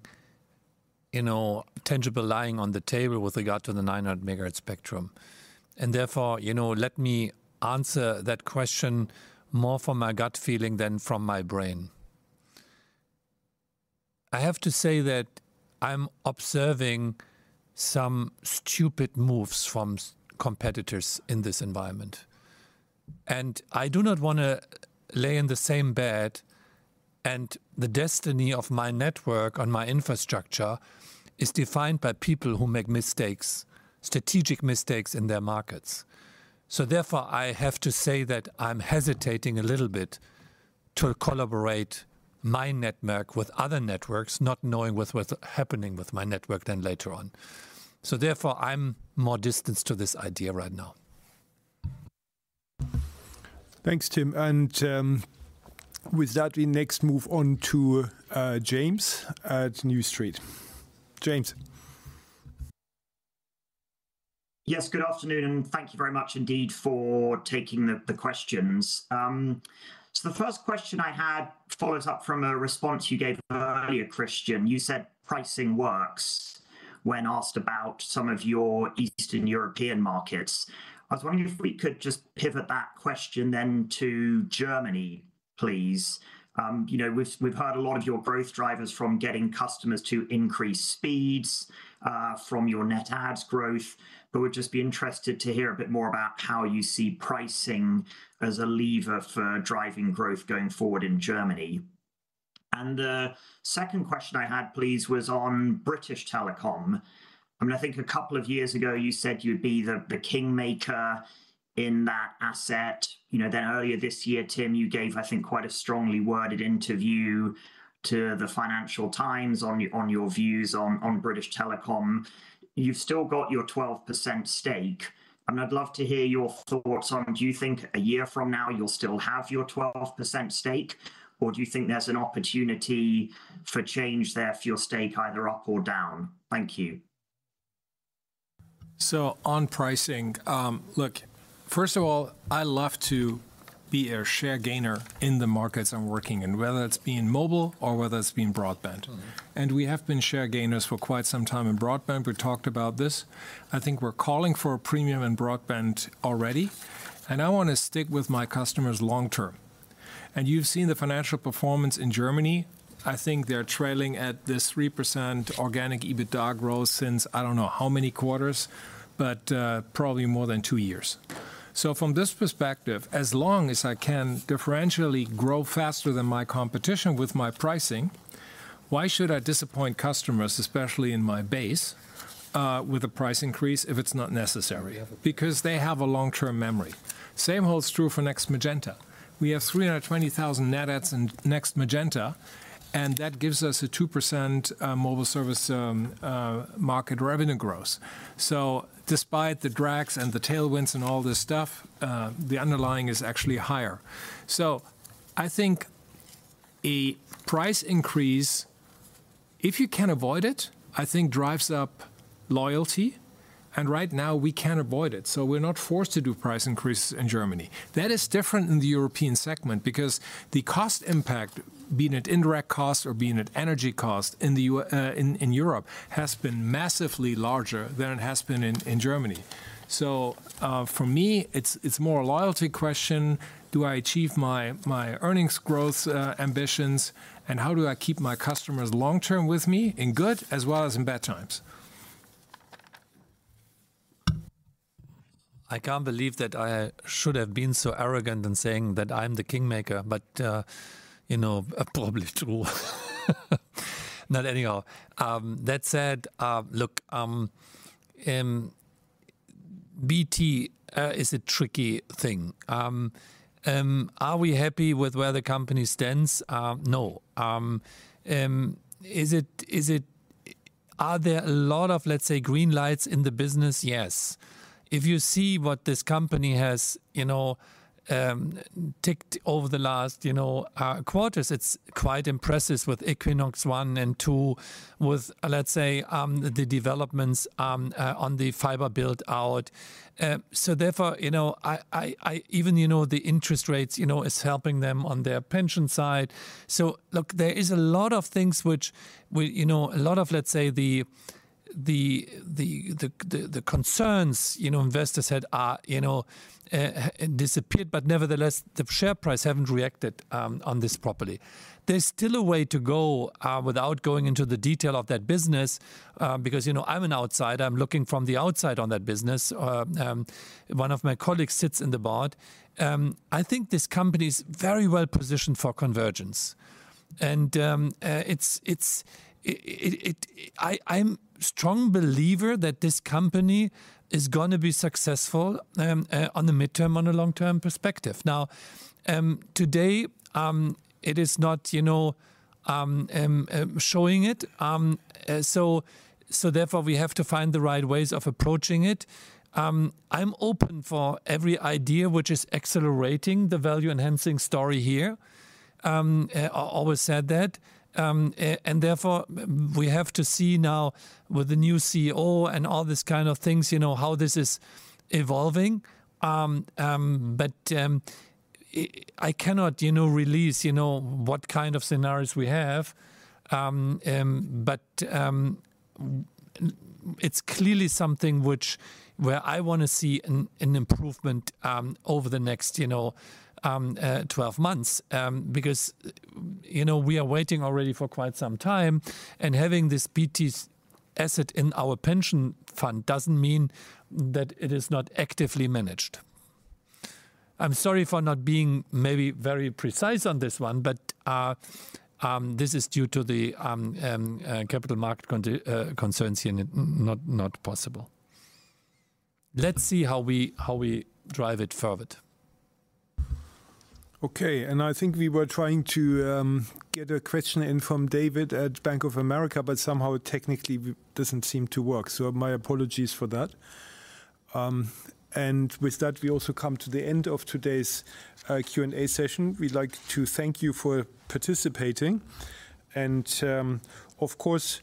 you know, tangible lying on the table with regard to the 900 MHz spectrum. Therefore, you know, let me answer that question more from my gut feeling than from my brain. I have to say that I'm observing some stupid moves from competitors in this environment. I do not wanna lay in the same bed, and the destiny of my network and my infrastructure is defined by people who make mistakes, strategic mistakes in their markets. Therefore, I have to say that I'm hesitating a little bit to collaborate my network with other networks, not knowing what, what's happening with my network then later on. Therefore, I'm more distanced to this idea right now. Thanks, Tim. With that, we next move on to James at New Street. James? Yes, good afternoon, and thank you very much indeed for taking the, the questions. So the first question I had follows up from a response you gave earlier, Christian. You said, "Pricing works," when asked about some of your Eastern European markets. I was wondering if we could just pivot that question then to Germany, please. You know, we've, we've heard a lot of your growth drivers from getting customers to increase speeds, from your net adds growth, but would just be interested to hear a bit more about how you see pricing as a lever for driving growth going forward in Germany. Second question I had, please, was on British Telecom. I mean, I think two years ago, you said you'd be the, the kingmaker in that asset. You know, earlier this year, Tim, you gave, I think, quite a strongly worded interview to the Financial Times on your views on British Telecom. You've still got your 12% stake. I'd love to hear your thoughts on, do you think a year from now you'll still have your 12% stake, or do you think there's an opportunity for change there for your stake, either up or down? Thank you. On pricing, look, first of all, I love to be a share gainer in the markets I'm working in, whether it's being mobile or whether it's being broadband. Mm-hmm. We have been share gainers for quite some time in broadband. We talked about this. I think we're calling for a premium in broadband already, and I wanna stick with my customers long term. You've seen the financial performance in Germany. I think they're trailing at this 3% organic EBITDA growth since I don't know how many quarters, but probably more than two years. From this perspective, as long as I can differentially grow faster than my competition with my pricing, why should I disappoint customers, especially in my base with a price increase if it's not necessary? Yeah. Because they have a long-term memory. Same holds true for Next Magenta. We have 320,000 net adds in Next Magenta, that gives us a 2%, mobile service, market revenue growth. Despite the drags and the tailwinds and all this stuff, the underlying is actually higher. I think a price increase, if you can avoid it, I think drives up loyalty, and right now we can avoid it, so we're not forced to do price increases in Germany. That is different in the European segment because the cost impact, being it indirect costs or being it energy cost, in Europe, has been massively larger than it has been in Germany. For me, it's, it's more a loyalty question: Do I achieve my, my earnings growth, ambitions, and how do I keep my customers long-term with me in good as well as in bad times? I can't believe that I should have been so arrogant in saying that I'm the kingmaker, you know, probably true. Anyhow, that said, look, BT is a tricky thing. Are we happy with where the company stands? No. Are there a lot of, let's say, green lights in the business? Yes. If you see what this company has, you know, ticked over the last, you know, quarters, it's quite impressive with Equinox I and II, with, let's say, the developments on the fiber build-out. Therefore, you know, even, you know, the interest rates, you know, is helping them on their pension side. Look, there is a lot of things which we, you know, a lot of, let's say, the, the, the, the concerns, you know, investors had are, you know, disappeared, but nevertheless, the share price haven't reacted on this properly. There's still a way to go, without going into the detail of that business, because, you know, I'm an outsider. I'm looking from the outside on that business. One of my colleagues sits in the board. I think this company's very well positioned for convergence. And, it's, it's, I, I'm strong believer that this company is gonna be successful on the midterm, on a long-term perspective. Now, today, it is not, you know, showing it. So, so therefore, we have to find the right ways of approaching it. I'm open for every idea which is accelerating the value-enhancing story here. I always said that. Therefore, we have to see now with the new CEO and all these kind of things, you know, how this is evolving. I cannot, you know, release, you know, what kind of scenarios we have. It's clearly something which, where I wanna see an improvement over the next, you know, 12 months. Because, you know, we are waiting already for quite some time, and having this BT asset in our pension fund doesn't mean that it is not actively managed. I'm sorry for not being maybe very precise on this one, but, this is due to the capital market condi- concerns, and it not, not possible. Let's see how we, how we drive it forward. Okay, I think we were trying to get a question in from David at Bank of America, but somehow it technically w- doesn't seem to work, so my apologies for that. With that, we also come to the end of today's Q&A session. We'd like to thank you for participating. Of course,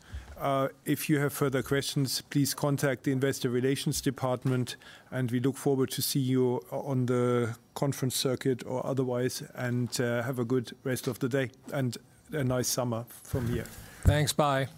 if you have further questions, please contact the investor relations department, and we look forward to see you o- on the conference circuit or otherwise, and have a good rest of the day and a nice summer from here. Thanks. Bye.